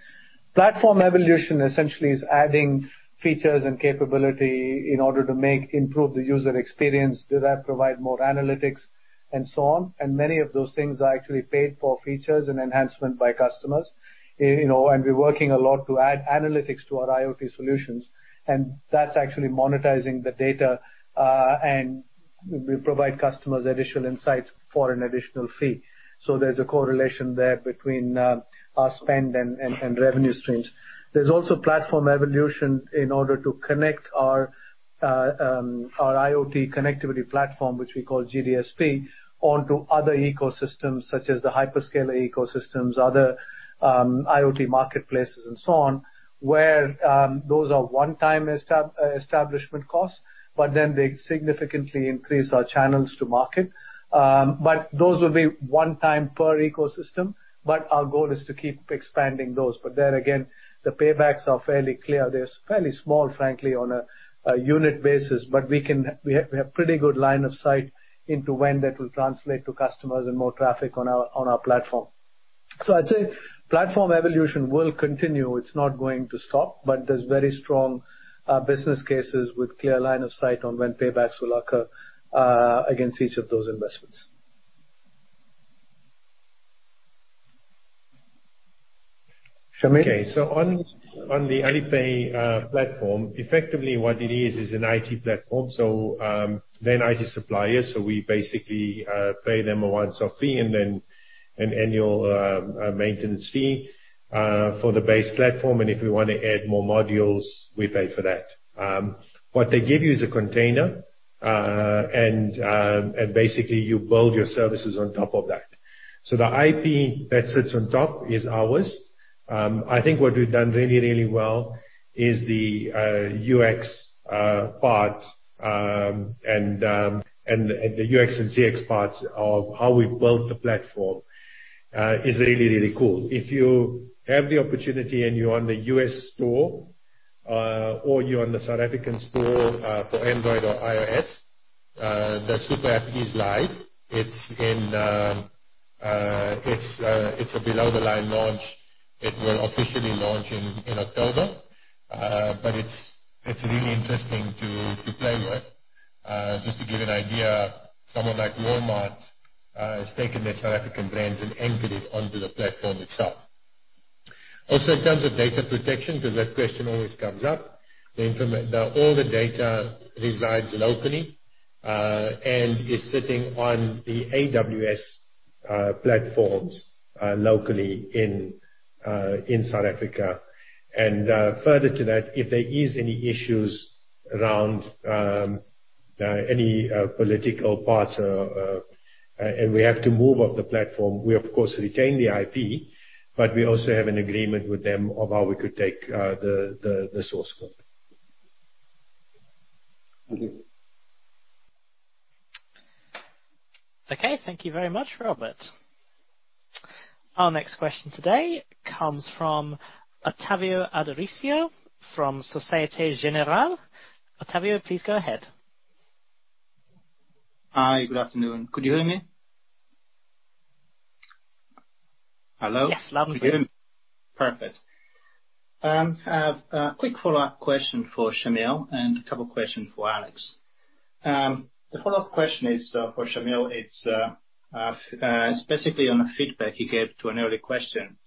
Platform evolution essentially is adding features and capability in order to improve the user experience, do that, provide more analytics, and so on. Many of those things are actually paid-for features and enhancement by customers. We're working a lot to add analytics to our IoT solutions, and that's actually monetizing the data. We provide customers additional insights for an additional fee. There's a correlation there between our spend and revenue streams. There's also platform evolution in order to connect our IoT connectivity platform, which we call GDSP, onto other ecosystems such as the hyperscaler ecosystems, other IoT marketplaces, and so on, where those are one-time establishment costs, but then they significantly increase our channels to market. Those will be one time per ecosystem, but our goal is to keep expanding those. There again, the paybacks are fairly clear. They're fairly small, frankly, on a unit basis, but we have pretty good line of sight into when that will translate to customers and more traffic on our platform. I'd say platform evolution will continue. It's not going to stop, but there's very strong business cases with clear line of sight on when paybacks will occur against each of those investments. Shameel. Okay. On the Alipay platform, effectively what it is is an IT platform. They're an IT supplier, we basically pay them a once-off fee and then an annual maintenance fee for the base platform. If we want to add more modules, we pay for that. What they give you is a container, and basically, you build your services on top of that. The IP that sits on top is ours. I think what we've done really, really well is the UX part and the UX and CX parts of how we've built the platform is really, really cool. If you have the opportunity and you're on the U.S. store or you're on the South African store for Android or iOS, the super app is live. It's a below the line launch. It will officially launch in October, but it's really interesting to play with. Just to give you an idea, someone like Walmart has taken their South African brands and anchored it onto the platform itself. In terms of data protection, because that question always comes up, all the data resides locally, and is sitting on the AWS platforms locally in South Africa. Further to that, if there is any issues around any political parts and we have to move off the platform, we of course retain the IP, but we also have an agreement with them of how we could take the source code. Thank you. Okay. Thank you very much, Robert. Our next question today comes from Ottavio Adorisio from Société Générale. Ottavio, please go ahead. Hi. Good afternoon. Could you hear me? Hello? Yes, lovely. Can you hear me? Perfect. I have a quick follow-up question for Shameel and a couple questions for Alex. The follow-up question is for Shameel. It's specifically on the feedback you gave to an early question.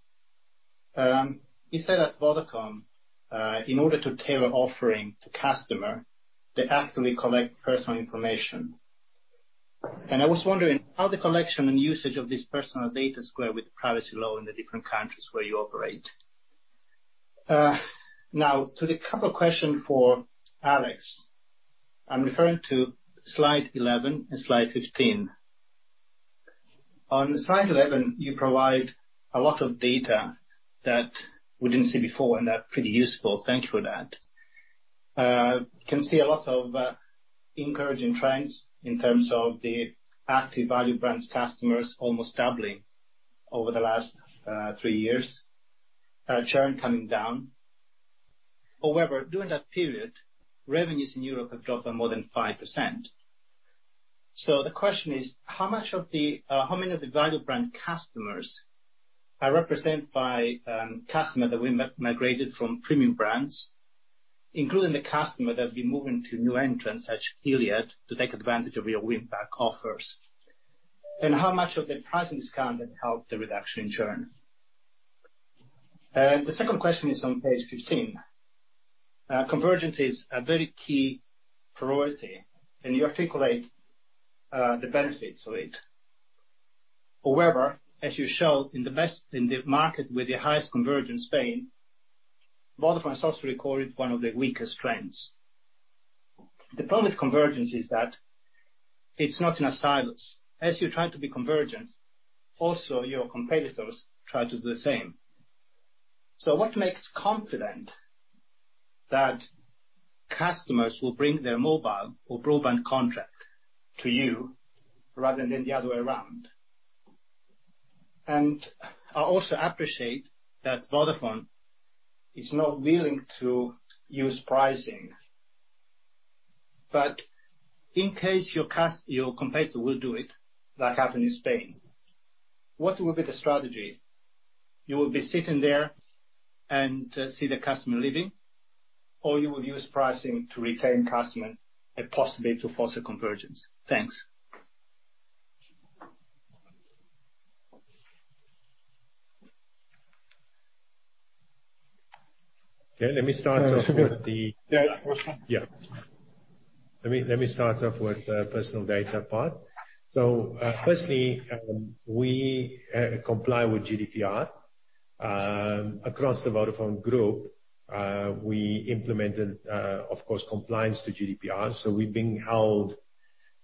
You said at Vodacom in order to tailor offering to customer, they actively collect personal information. I was wondering how the collection and usage of this personal data square with privacy law in the different countries where you operate. To the couple question for Alex, I'm referring to slide 11 and slide 15. On slide 11, you provide a lot of data that we didn't see before. They're pretty useful. Thank you for that. I can see a lot of encouraging trends in terms of the active value brands customers almost doubling over the last 3 years. Churn coming down. However, during that period, revenues in Europe have dropped by more than 5%. The question is, how many of the value brand customers are represented by customers that we migrated from premium brands, including the customer that have been moving to new entrants such as Iliad to take advantage of your win-back offers? How much of the pricing discount have helped the reduction in churn? The second question is on page 15. Convergence is a very key priority, and you articulate the benefits of it. However, as you show in the market with the highest convergence, Spain, Vodafone itself recorded one of the weakest trends. The problem with convergence is that it's not in a silos. As you're trying to be convergent, also your competitors try to do the same. What makes confident that customers will bring their mobile or broadband contract to you rather than the other way around? I also appreciate that Vodafone is not willing to use pricing. In case your competitor will do it, like happened in Spain, what will be the strategy? You will be sitting there and see the customer leaving, or you will use pricing to retain customer and possibly to foster convergence. Thanks. Okay. Let me start off with. Yeah. Yeah. Let me start off with personal data part. Firstly, we comply with GDPR. Across the Vodafone Group, we implemented, of course, compliance to GDPR, so we're being held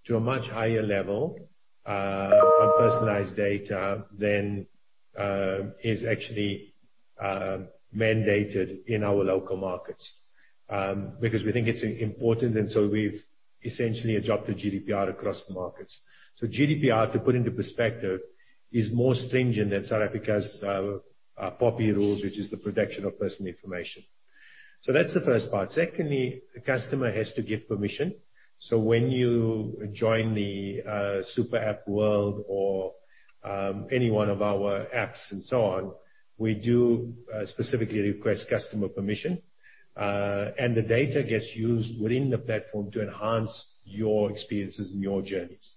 to a much higher level on personalized data than is actually mandated in our local markets, because we think it's important, and so we've essentially adopted GDPR across the markets. GDPR, to put into perspective, is more stringent than South Africa's POPI Act, which is the protection of personal information. That's the first part. Secondly, the customer has to give permission. When you join the super app world or any one of our apps and so on, we do specifically request customer permission, and the data gets used within the platform to enhance your experiences and your journeys.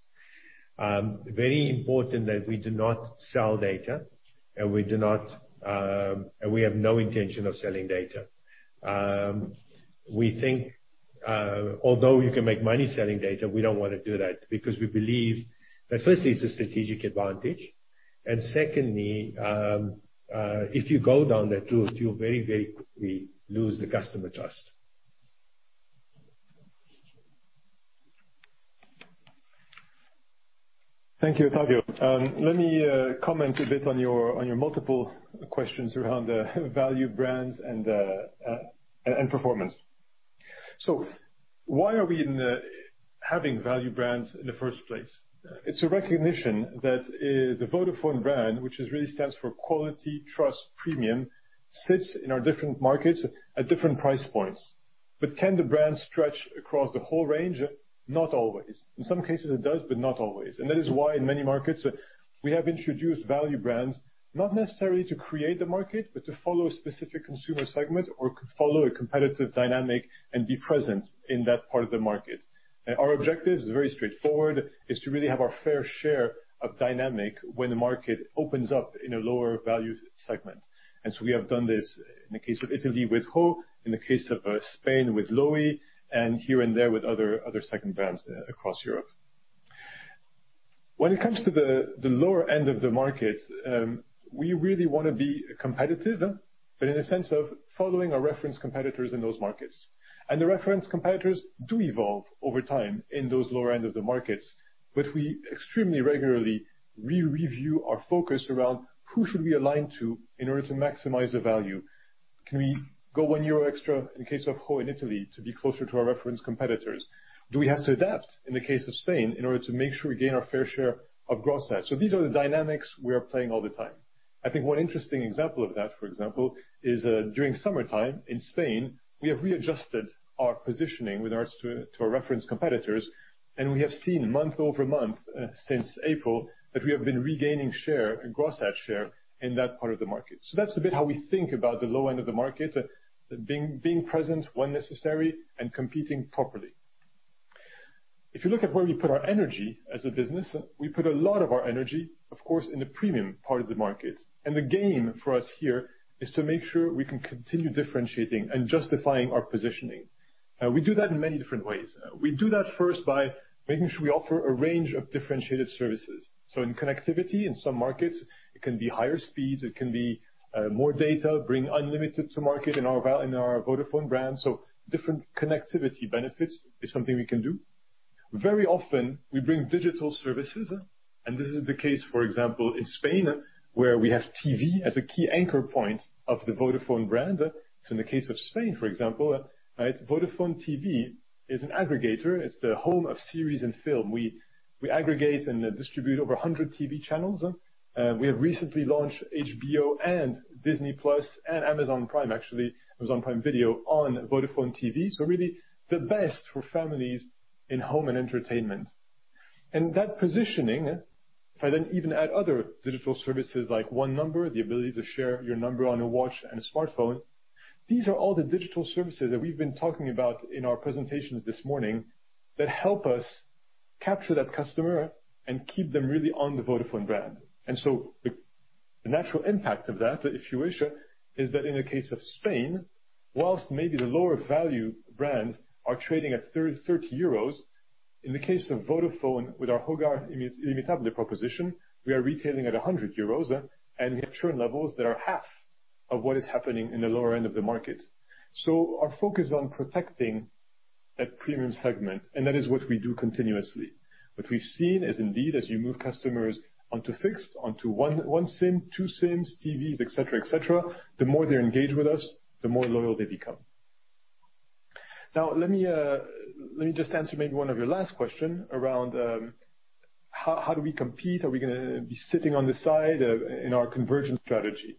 Very important that we do not sell data, and we have no intention of selling data. We think although you can make money selling data, we don't want to do that because we believe that firstly, it's a strategic advantage, and secondly, if you go down that route, you'll very quickly lose the customer trust. Thank you, Ottavio. Let me comment a bit on your multiple questions around the value brands and performance. Why are we having value brands in the first place? It's a recognition that the Vodafone brand, which really stands for quality, trust, premium, sits in our different markets at different price points. Can the brand stretch across the whole range? Not always. In some cases it does, but not always. That is why in many markets, we have introduced value brands, not necessarily to create the market, but to follow a specific consumer segment or follow a competitive dynamic and be present in that part of the market. Our objective is very straightforward, is to really have our fair share of dynamic when the market opens up in a lower value segment. We have done this in the case of Italy with ho., in the case of Spain with Lowi, and here and there with other second brands across Europe. When it comes to the lower end of the market, we really want to be competitive, but in a sense of following our reference competitors in those markets. The reference competitors do evolve over time in those lower end of the markets. We extremely regularly re-review our focus around who should we align to in order to maximize the value. Can we go 1 euro extra in case of ho. in Italy to be closer to our reference competitors? Do we have to adapt in the case of Spain in order to make sure we gain our fair share of growth side? These are the dynamics we are playing all the time. I think one interesting example of that, for example, is during summertime in Spain, we have readjusted our positioning with regards to our reference competitors, and we have seen month-over-month since April, that we have been regaining share and gross add share in that part of the market. That's a bit how we think about the low end of the market, being present when necessary and competing properly. If you look at where we put our energy as a business, we put a lot of our energy, of course, in the premium part of the market. The gain for us here is to make sure we can continue differentiating and justifying our positioning. We do that in many different ways. We do that first by making sure we offer a range of differentiated services. In connectivity, in some markets, it can be higher speeds, it can be more data, bring unlimited to market in our Vodafone brand. Different connectivity benefits is something we can do. Very often we bring digital services, and this is the case, for example, in Spain, where we have TV as a key anchor point of the Vodafone brand. In the case of Spain, for example, Vodafone TV is an aggregator. It's the home of series and film. We aggregate and distribute over 100 TV channels. We have recently launched HBO and Disney+ and Amazon Prime. Actually, Amazon Prime Video on Vodafone TV. Really the best for families in home and entertainment. That positioning, if I then even add other digital services like OneNumber, the ability to share your number on a watch and a smartphone. These are all the digital services that we've been talking about in our presentations this morning that help us capture that customer and keep them really on the Vodafone brand. The natural impact of that, if you wish, is that in the case of Spain, whilst maybe the lower value brands are trading at 30 euros, in the case of Vodafone, with our Hogar Ilimitable proposition, we are retailing at 100 euros and we have churn levels that are half of what is happening in the lower end of the market. Our focus on protecting that premium segment, and that is what we do continuously. What we've seen is indeed as you move customers onto fixed, onto 1 SIM, 2 SIMs, TVs, et cetera, the more they engage with us, the more loyal they become. Let me just answer maybe one of your last question around how do we compete, are we going to be sitting on the side in our convergence strategy?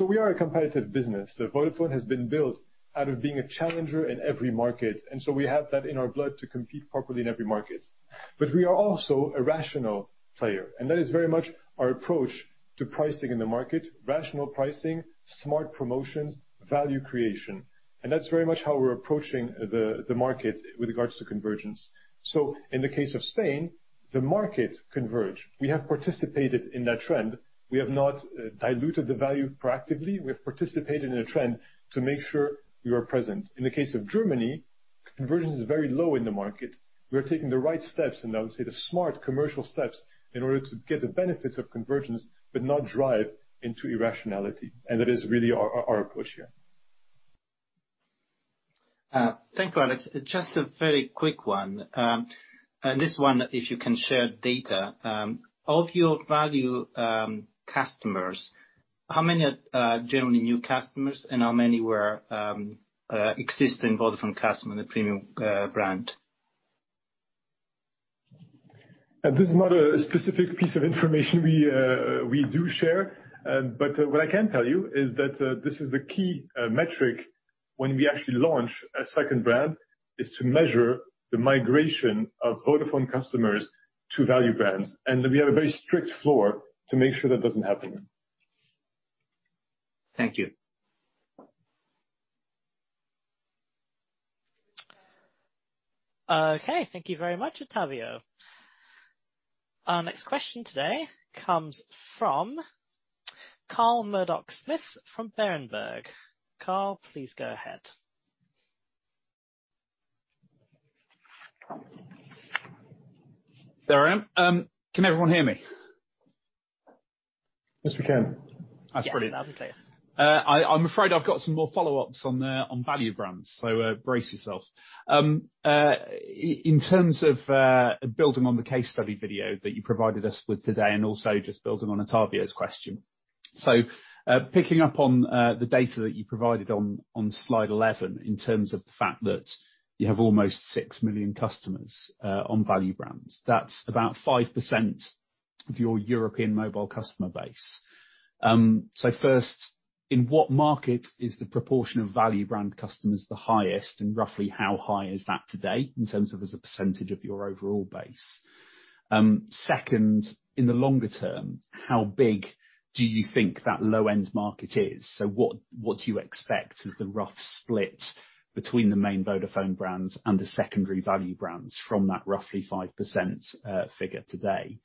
We are a competitive business. Vodafone has been built out of being a challenger in every market. We have that in our blood to compete properly in every market. We are also a rational player, and that is very much our approach to pricing in the market. Rational pricing, smart promotions, value creation. That's very much how we're approaching the market with regards to convergence. In the case of Spain, the markets converge. We have participated in that trend. We have not diluted the value proactively. We have participated in a trend to make sure we are present. In the case of Germany, convergence is very low in the market. We are taking the right steps, and I would say the smart commercial steps in order to get the benefits of convergence, but not drive into irrationality. That is really our approach here. Thank you, Alex. Just a very quick one. This one, if you can share data. Of your value customers, how many are generally new customers and how many were existing Vodafone customer in the premium brand? This is not a specific piece of information we do share, but what I can tell you is that this is the key metric when we actually launch a second brand, is to measure the migration of Vodafone customers to value brands. We have a very strict floor to make sure that doesn't happen. Thank you. Okay. Thank you very much, Ottavio. Our next question today comes from Carl Murdock-Smith, from Berenberg. Carl, please go ahead. There I am. Can everyone hear me? Yes, we can. That's brilliant. Yes, loud and clear. I'm afraid I've got some more follow-ups on value brands, so brace yourselves. In terms of building on the case study video that you provided us with today, and also just building on Ottavio's question. Picking up on the data that you provided on Slide 11 in terms of the fact that you have almost 6 million customers on value brands, that's about 5% of your European mobile customer base. First, in what market is the proportion of value brand customers the highest, and roughly how high is that today in terms of as a percentage of your overall base? Second, in the longer term, how big do you think that low-end market is? What do you expect is the rough split between the main Vodafone brands and the secondary value brands from that roughly 5% figure today?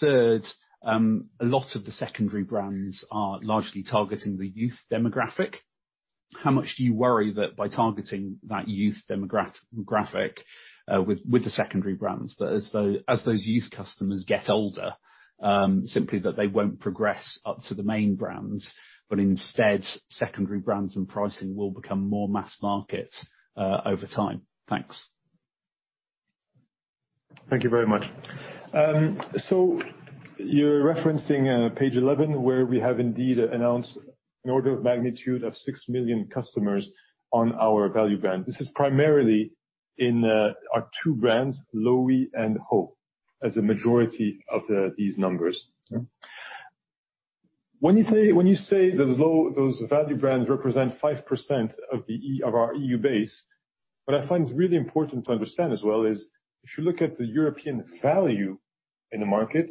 Third, a lot of the secondary brands are largely targeting the youth demographic. How much do you worry that by targeting that youth demographic with the secondary brands, that as those youth customers get older, simply that they won't progress up to the main brands, but instead secondary brands and pricing will become more mass market over time? Thanks. Thank you very much. You're referencing page 11, where we have indeed announced an order of magnitude of 6 million customers on our value brand. In our two brands, Lowi and ho., as a majority of these numbers. When you say those value brands represent 5% of our EU base, what I find is really important to understand as well is if you look at the European value in the market,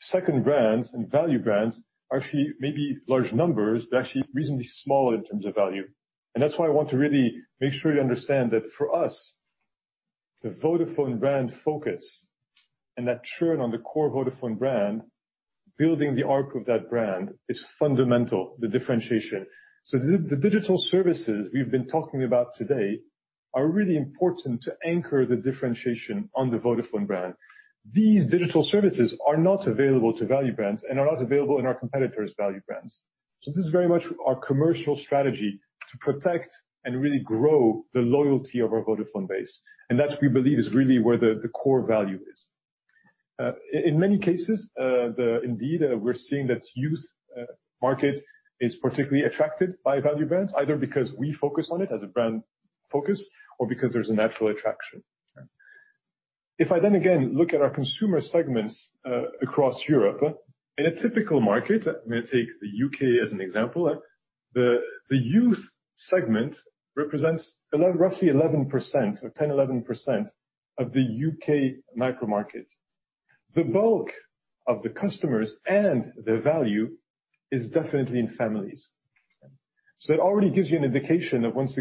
second brands and value brands are actually maybe large numbers, but actually reasonably small in terms of value. That's why I want to really make sure you understand that for us, the Vodafone brand focus and that churn on the core Vodafone brand, building the arc of that brand is fundamental, the differentiation. The digital services we've been talking about today are really important to anchor the differentiation on the Vodafone brand. These digital services are not available to value brands and are not available in our competitors' value brands. This is very much our commercial strategy to protect and really grow the loyalty of our Vodafone base. That, we believe, is really where the core value is. In many cases, indeed, we're seeing that youth market is particularly attracted by value brands, either because we focus on it as a brand focus or because there's a natural attraction. If I then again look at our consumer segments across Europe, in a typical market, I'm going to take the U.K. as an example. The youth segment represents roughly 11%, or 10%-11% of the U.K. micro market. The bulk of the customers and the value is definitely in families. It already gives you an indication of, once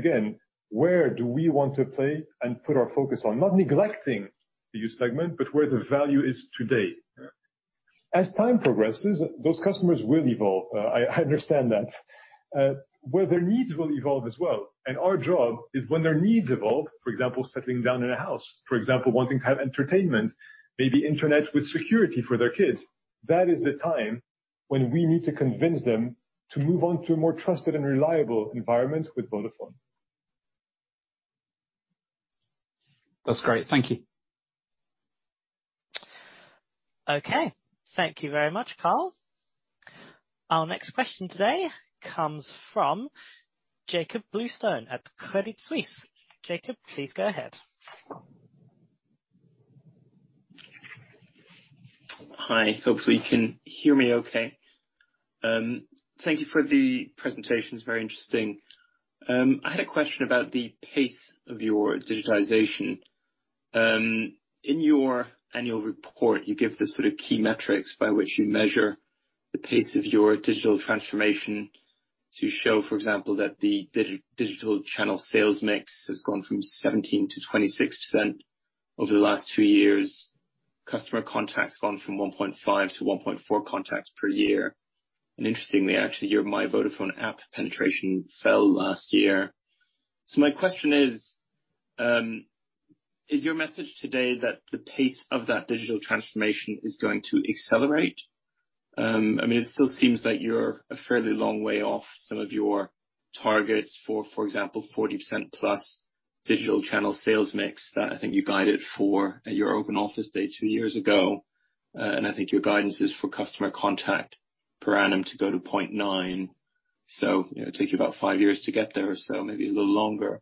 again, where do we want to play and put our focus on. Not neglecting the youth segment, but where the value is today. As time progresses, those customers will evolve. I understand that. Where their needs will evolve as well, and our job is when their needs evolve, for example, settling down in a house, for example, wanting to have entertainment, maybe Internet with security for their kids. That is the time when we need to convince them to move on to a more trusted and reliable environment with Vodafone. That's great. Thank you. Okay. Thank you very much, Carl. Our next question today comes from Jakob Bluestone at Credit Suisse. Jakob, please go ahead. Hi. Hopefully, you can hear me okay. Thank you for the presentation. It's very interesting. I had a question about the pace of your digitization. In your annual report, you give the sort of key metrics by which you measure the pace of your digital transformation to show, for example, that the digital channel sales mix has gone from 17% to 26% over the last two years. Customer contacts gone from 1.5 to 1.4 contacts per year. Interestingly, actually, your My Vodafone app penetration fell last year. My question is your message today that the pace of that digital transformation is going to accelerate? I mean, it still seems that you're a fairly long way off some of your targets for example, 40% plus digital channel sales mix that I think you guided for at your open office day two years ago. I think your guidance is for customer contact per annum to go to 0.9. It takes you about five years to get there or so, maybe a little longer.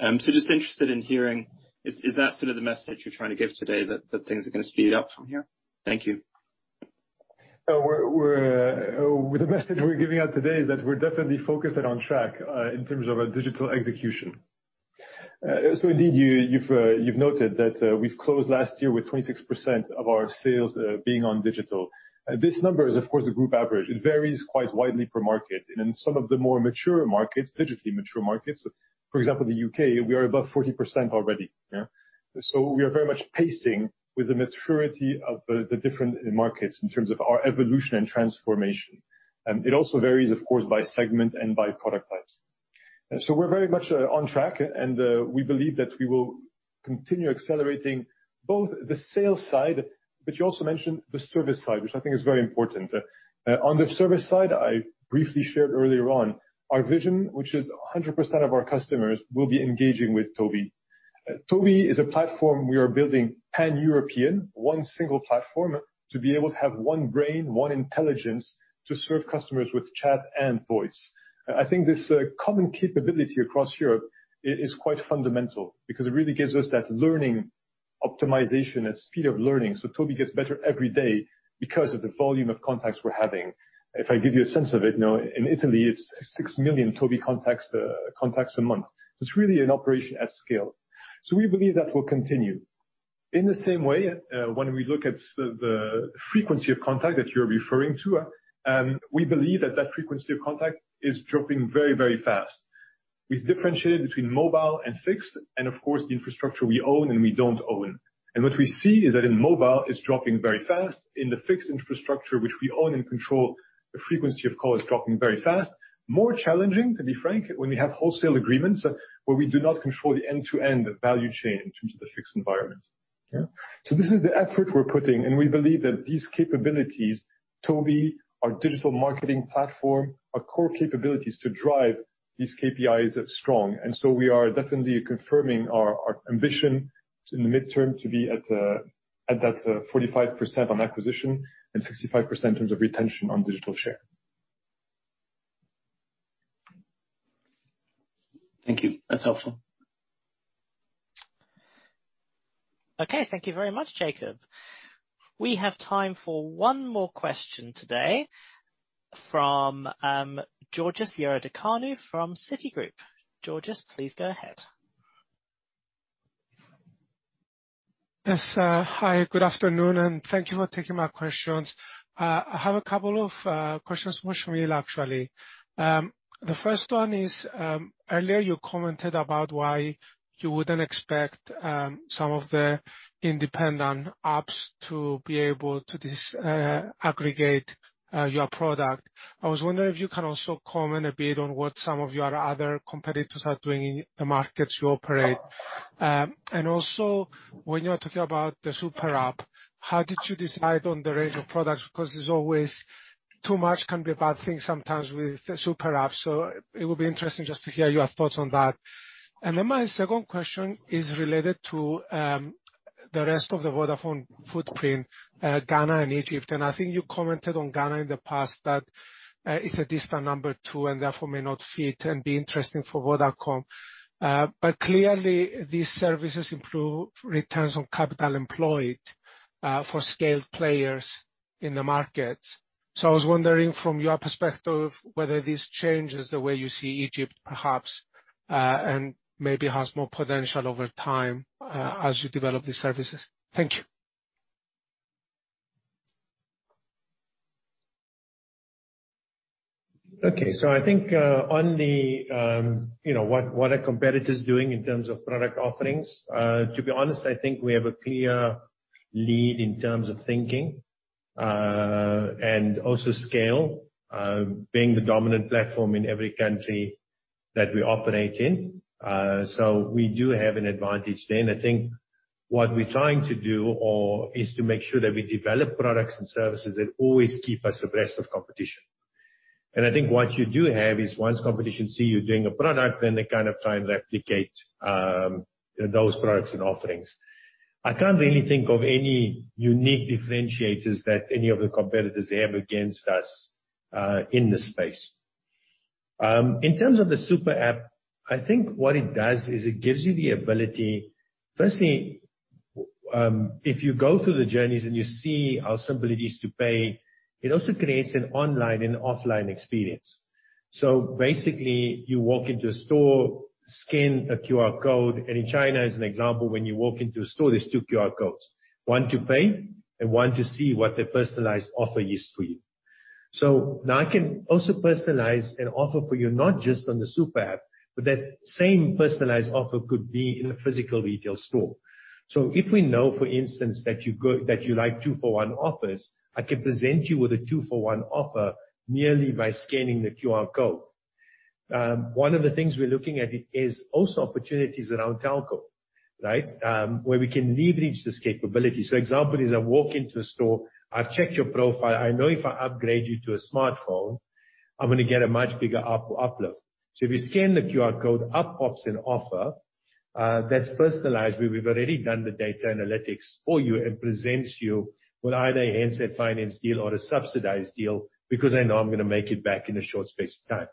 Just interested in hearing, is that sort of the message you're trying to give today that things are going to speed up from here? Thank you. The message we're giving out today is that we're definitely focused and on track in terms of our digital execution. Indeed, you've noted that we've closed last year with 26% of our sales being on digital. This number is, of course, the group average. It varies quite widely per market. In some of the more mature markets, digitally mature markets, for example, the U.K., we are above 40% already. We are very much pacing with the maturity of the different markets in terms of our evolution and transformation. It also varies, of course, by segment and by product types. We're very much on track, and we believe that we will continue accelerating both the sales side, but you also mentioned the service side, which I think is very important. On the service side, I briefly shared earlier on our vision, which is 100% of our customers will be engaging with TOBi. TOBi is a platform we are building Pan-European, one single platform to be able to have one brain, one intelligence to serve customers with chat and voice. I think this common capability across Europe is quite fundamental because it really gives us that learning optimization, that speed of learning. TOBi gets better every day because of the volume of contacts we're having. If I give you a sense of it, in Italy, it's 6 million TOBi contacts a month. It's really an operation at scale. We believe that will continue. In the same way, when we look at the frequency of contact that you're referring to, we believe that that frequency of contact is dropping very, very fast. We've differentiated between mobile and fixed and of course, the infrastructure we own and we don't own. What we see is that in mobile, it's dropping very fast. In the fixed infrastructure, which we own and control, the frequency of call is dropping very fast. More challenging, to be frank, when we have wholesale agreements where we do not control the end-to-end value chain in terms of the fixed environment. This is the effort we're putting, and we believe that these capabilities, TOBi, our digital marketing platform, are core capabilities to drive these KPIs strong. We are definitely confirming our ambition in the mid-term to be at that 45% on acquisition and 65% in terms of retention on digital share. Thank you. That's helpful. Okay. Thank you very much, Jakob. We have time for one more question today from Georgios Ierodiaconou from Citigroup. Georgios, please go ahead. Yes. Hi, good afternoon, and thank you for taking my questions. I have a couple of questions for Shameel, actually. The first one is, earlier you commented about why you wouldn't expect some of the independent apps to be able to disaggregate your product. I was wondering if you can also comment a bit on what some of your other competitors are doing in the markets you operate. Also, when you are talking about the super app, how did you decide on the range of products? Because there's always too much can be a bad thing sometimes with super apps. It would be interesting just to hear your thoughts on that. Then my second question is related to the rest of the Vodafone footprint, Ghana and Egypt. I think you commented on Ghana in the past that it's a distant number two and therefore may not fit and be interesting for Vodacom. Clearly, these services improve returns on capital employed for scaled players in the market. I was wondering from your perspective, whether this changes the way you see Egypt, perhaps, and maybe has more potential over time as you develop these services. Thank you. Okay. I think on the, what are competitors doing in terms of product offerings? To be honest, I think we have a clear lead in terms of thinking. Also scale, being the dominant platform in every country that we operate in. We do have an advantage there. I think what we're trying to do or is to make sure that we develop products and services that always keep us abreast of competition. I think what you do have is once competition see you doing a product, then they kind of try and replicate those products and offerings. I can't really think of any unique differentiators that any of the competitors have against us in this space. In terms of the super app, I think what it does is it gives you the ability firstly, if you go through the journeys and you see how simple it is to pay, it also creates an online and offline experience. Basically, you walk into a store, scan a QR code, and in China as an example, when you walk into a store, there's two QR codes. One to pay and one to see what their personalized offer is for you. Now I can also personalize an offer for you not just on the super app, but that same personalized offer could be in a physical retail store. If we know, for instance, that you like two for one offers, I can present you with a two for one offer merely by scanning the QR code. One of the things we're looking at is also opportunities around telco, right? Where we can leverage this capability. Example is, I walk into a store, I've checked your profile, I know if I upgrade you to a smartphone, I'm gonna get a much bigger uplift. If you scan the QR code, up pops an offer that's personalized, where we've already done the data analytics for you and presents you with either a handset finance deal or a subsidized deal, because I know I'm gonna make it back in a short space of time.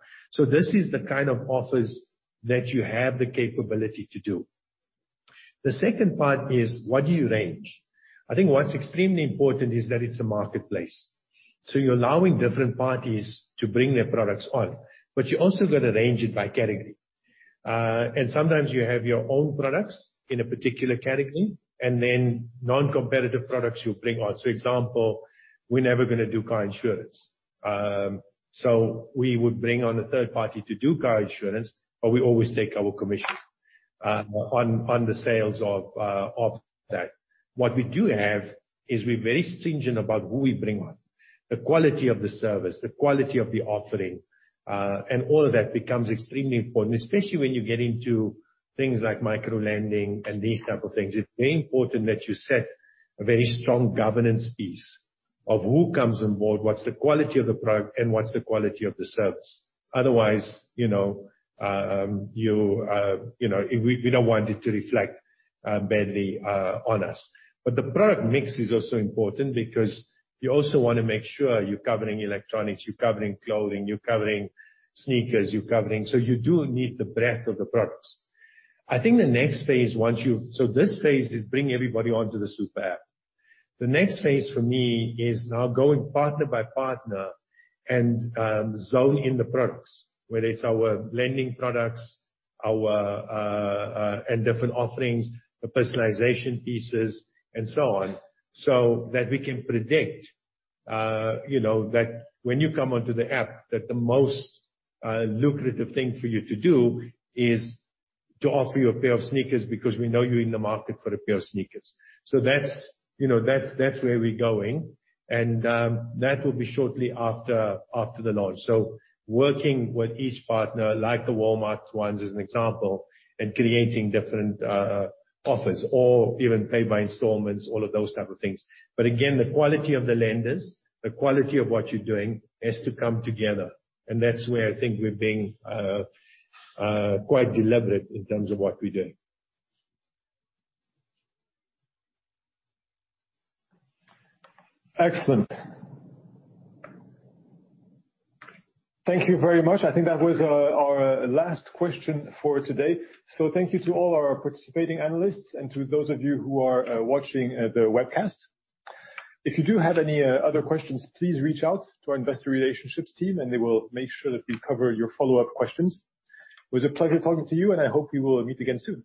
This is the kind of offers that you have the capability to do. The second part is, what do you range? I think what's extremely important is that it's a marketplace. You're allowing different parties to bring their products on, but you also got to range it by category. Sometimes you have your own products in a particular category and then non-competitive products you bring on. Example, we're never gonna do car insurance. We would bring on a third party to do car insurance, but we always take our commission on the sales of that. What we do have is we're very stringent about who we bring on. The quality of the service, the quality of the offering, and all of that becomes extremely important, especially when you get into things like micro lending and these type of things. It's very important that you set a very strong governance piece of who comes on board, what's the quality of the product, and what's the quality of the service. Otherwise, we don't want it to reflect badly on us. The product mix is also important because you also wanna make sure you're covering electronics, you're covering clothing, you're covering sneakers. You do need the breadth of the products. I think the next phase. This phase is bring everybody onto the super app. The next phase for me is now going partner by partner and zone in the products, whether it's our lending products, and different offerings, the personalization pieces and so on, so that we can predict that when you come onto the app, that the most lucrative thing for you to do is to offer you a pair of sneakers because we know you're in the market for a pair of sneakers. That's where we're going. That will be shortly after the launch. Working with each partner, like the Walmart ones as an example, and creating different offers or even pay by installments, all of those type of things. Again, the quality of the lenders, the quality of what you're doing, has to come together. That's where I think we're being quite deliberate in terms of what we're doing. Excellent. Thank you very much. I think that was our last question for today. Thank you to all our participating analysts and to those of you who are watching the webcast. If you do have any other questions, please reach out to our investor relationships team, and they will make sure that we cover your follow-up questions. It was a pleasure talking to you, and I hope we will meet again soon.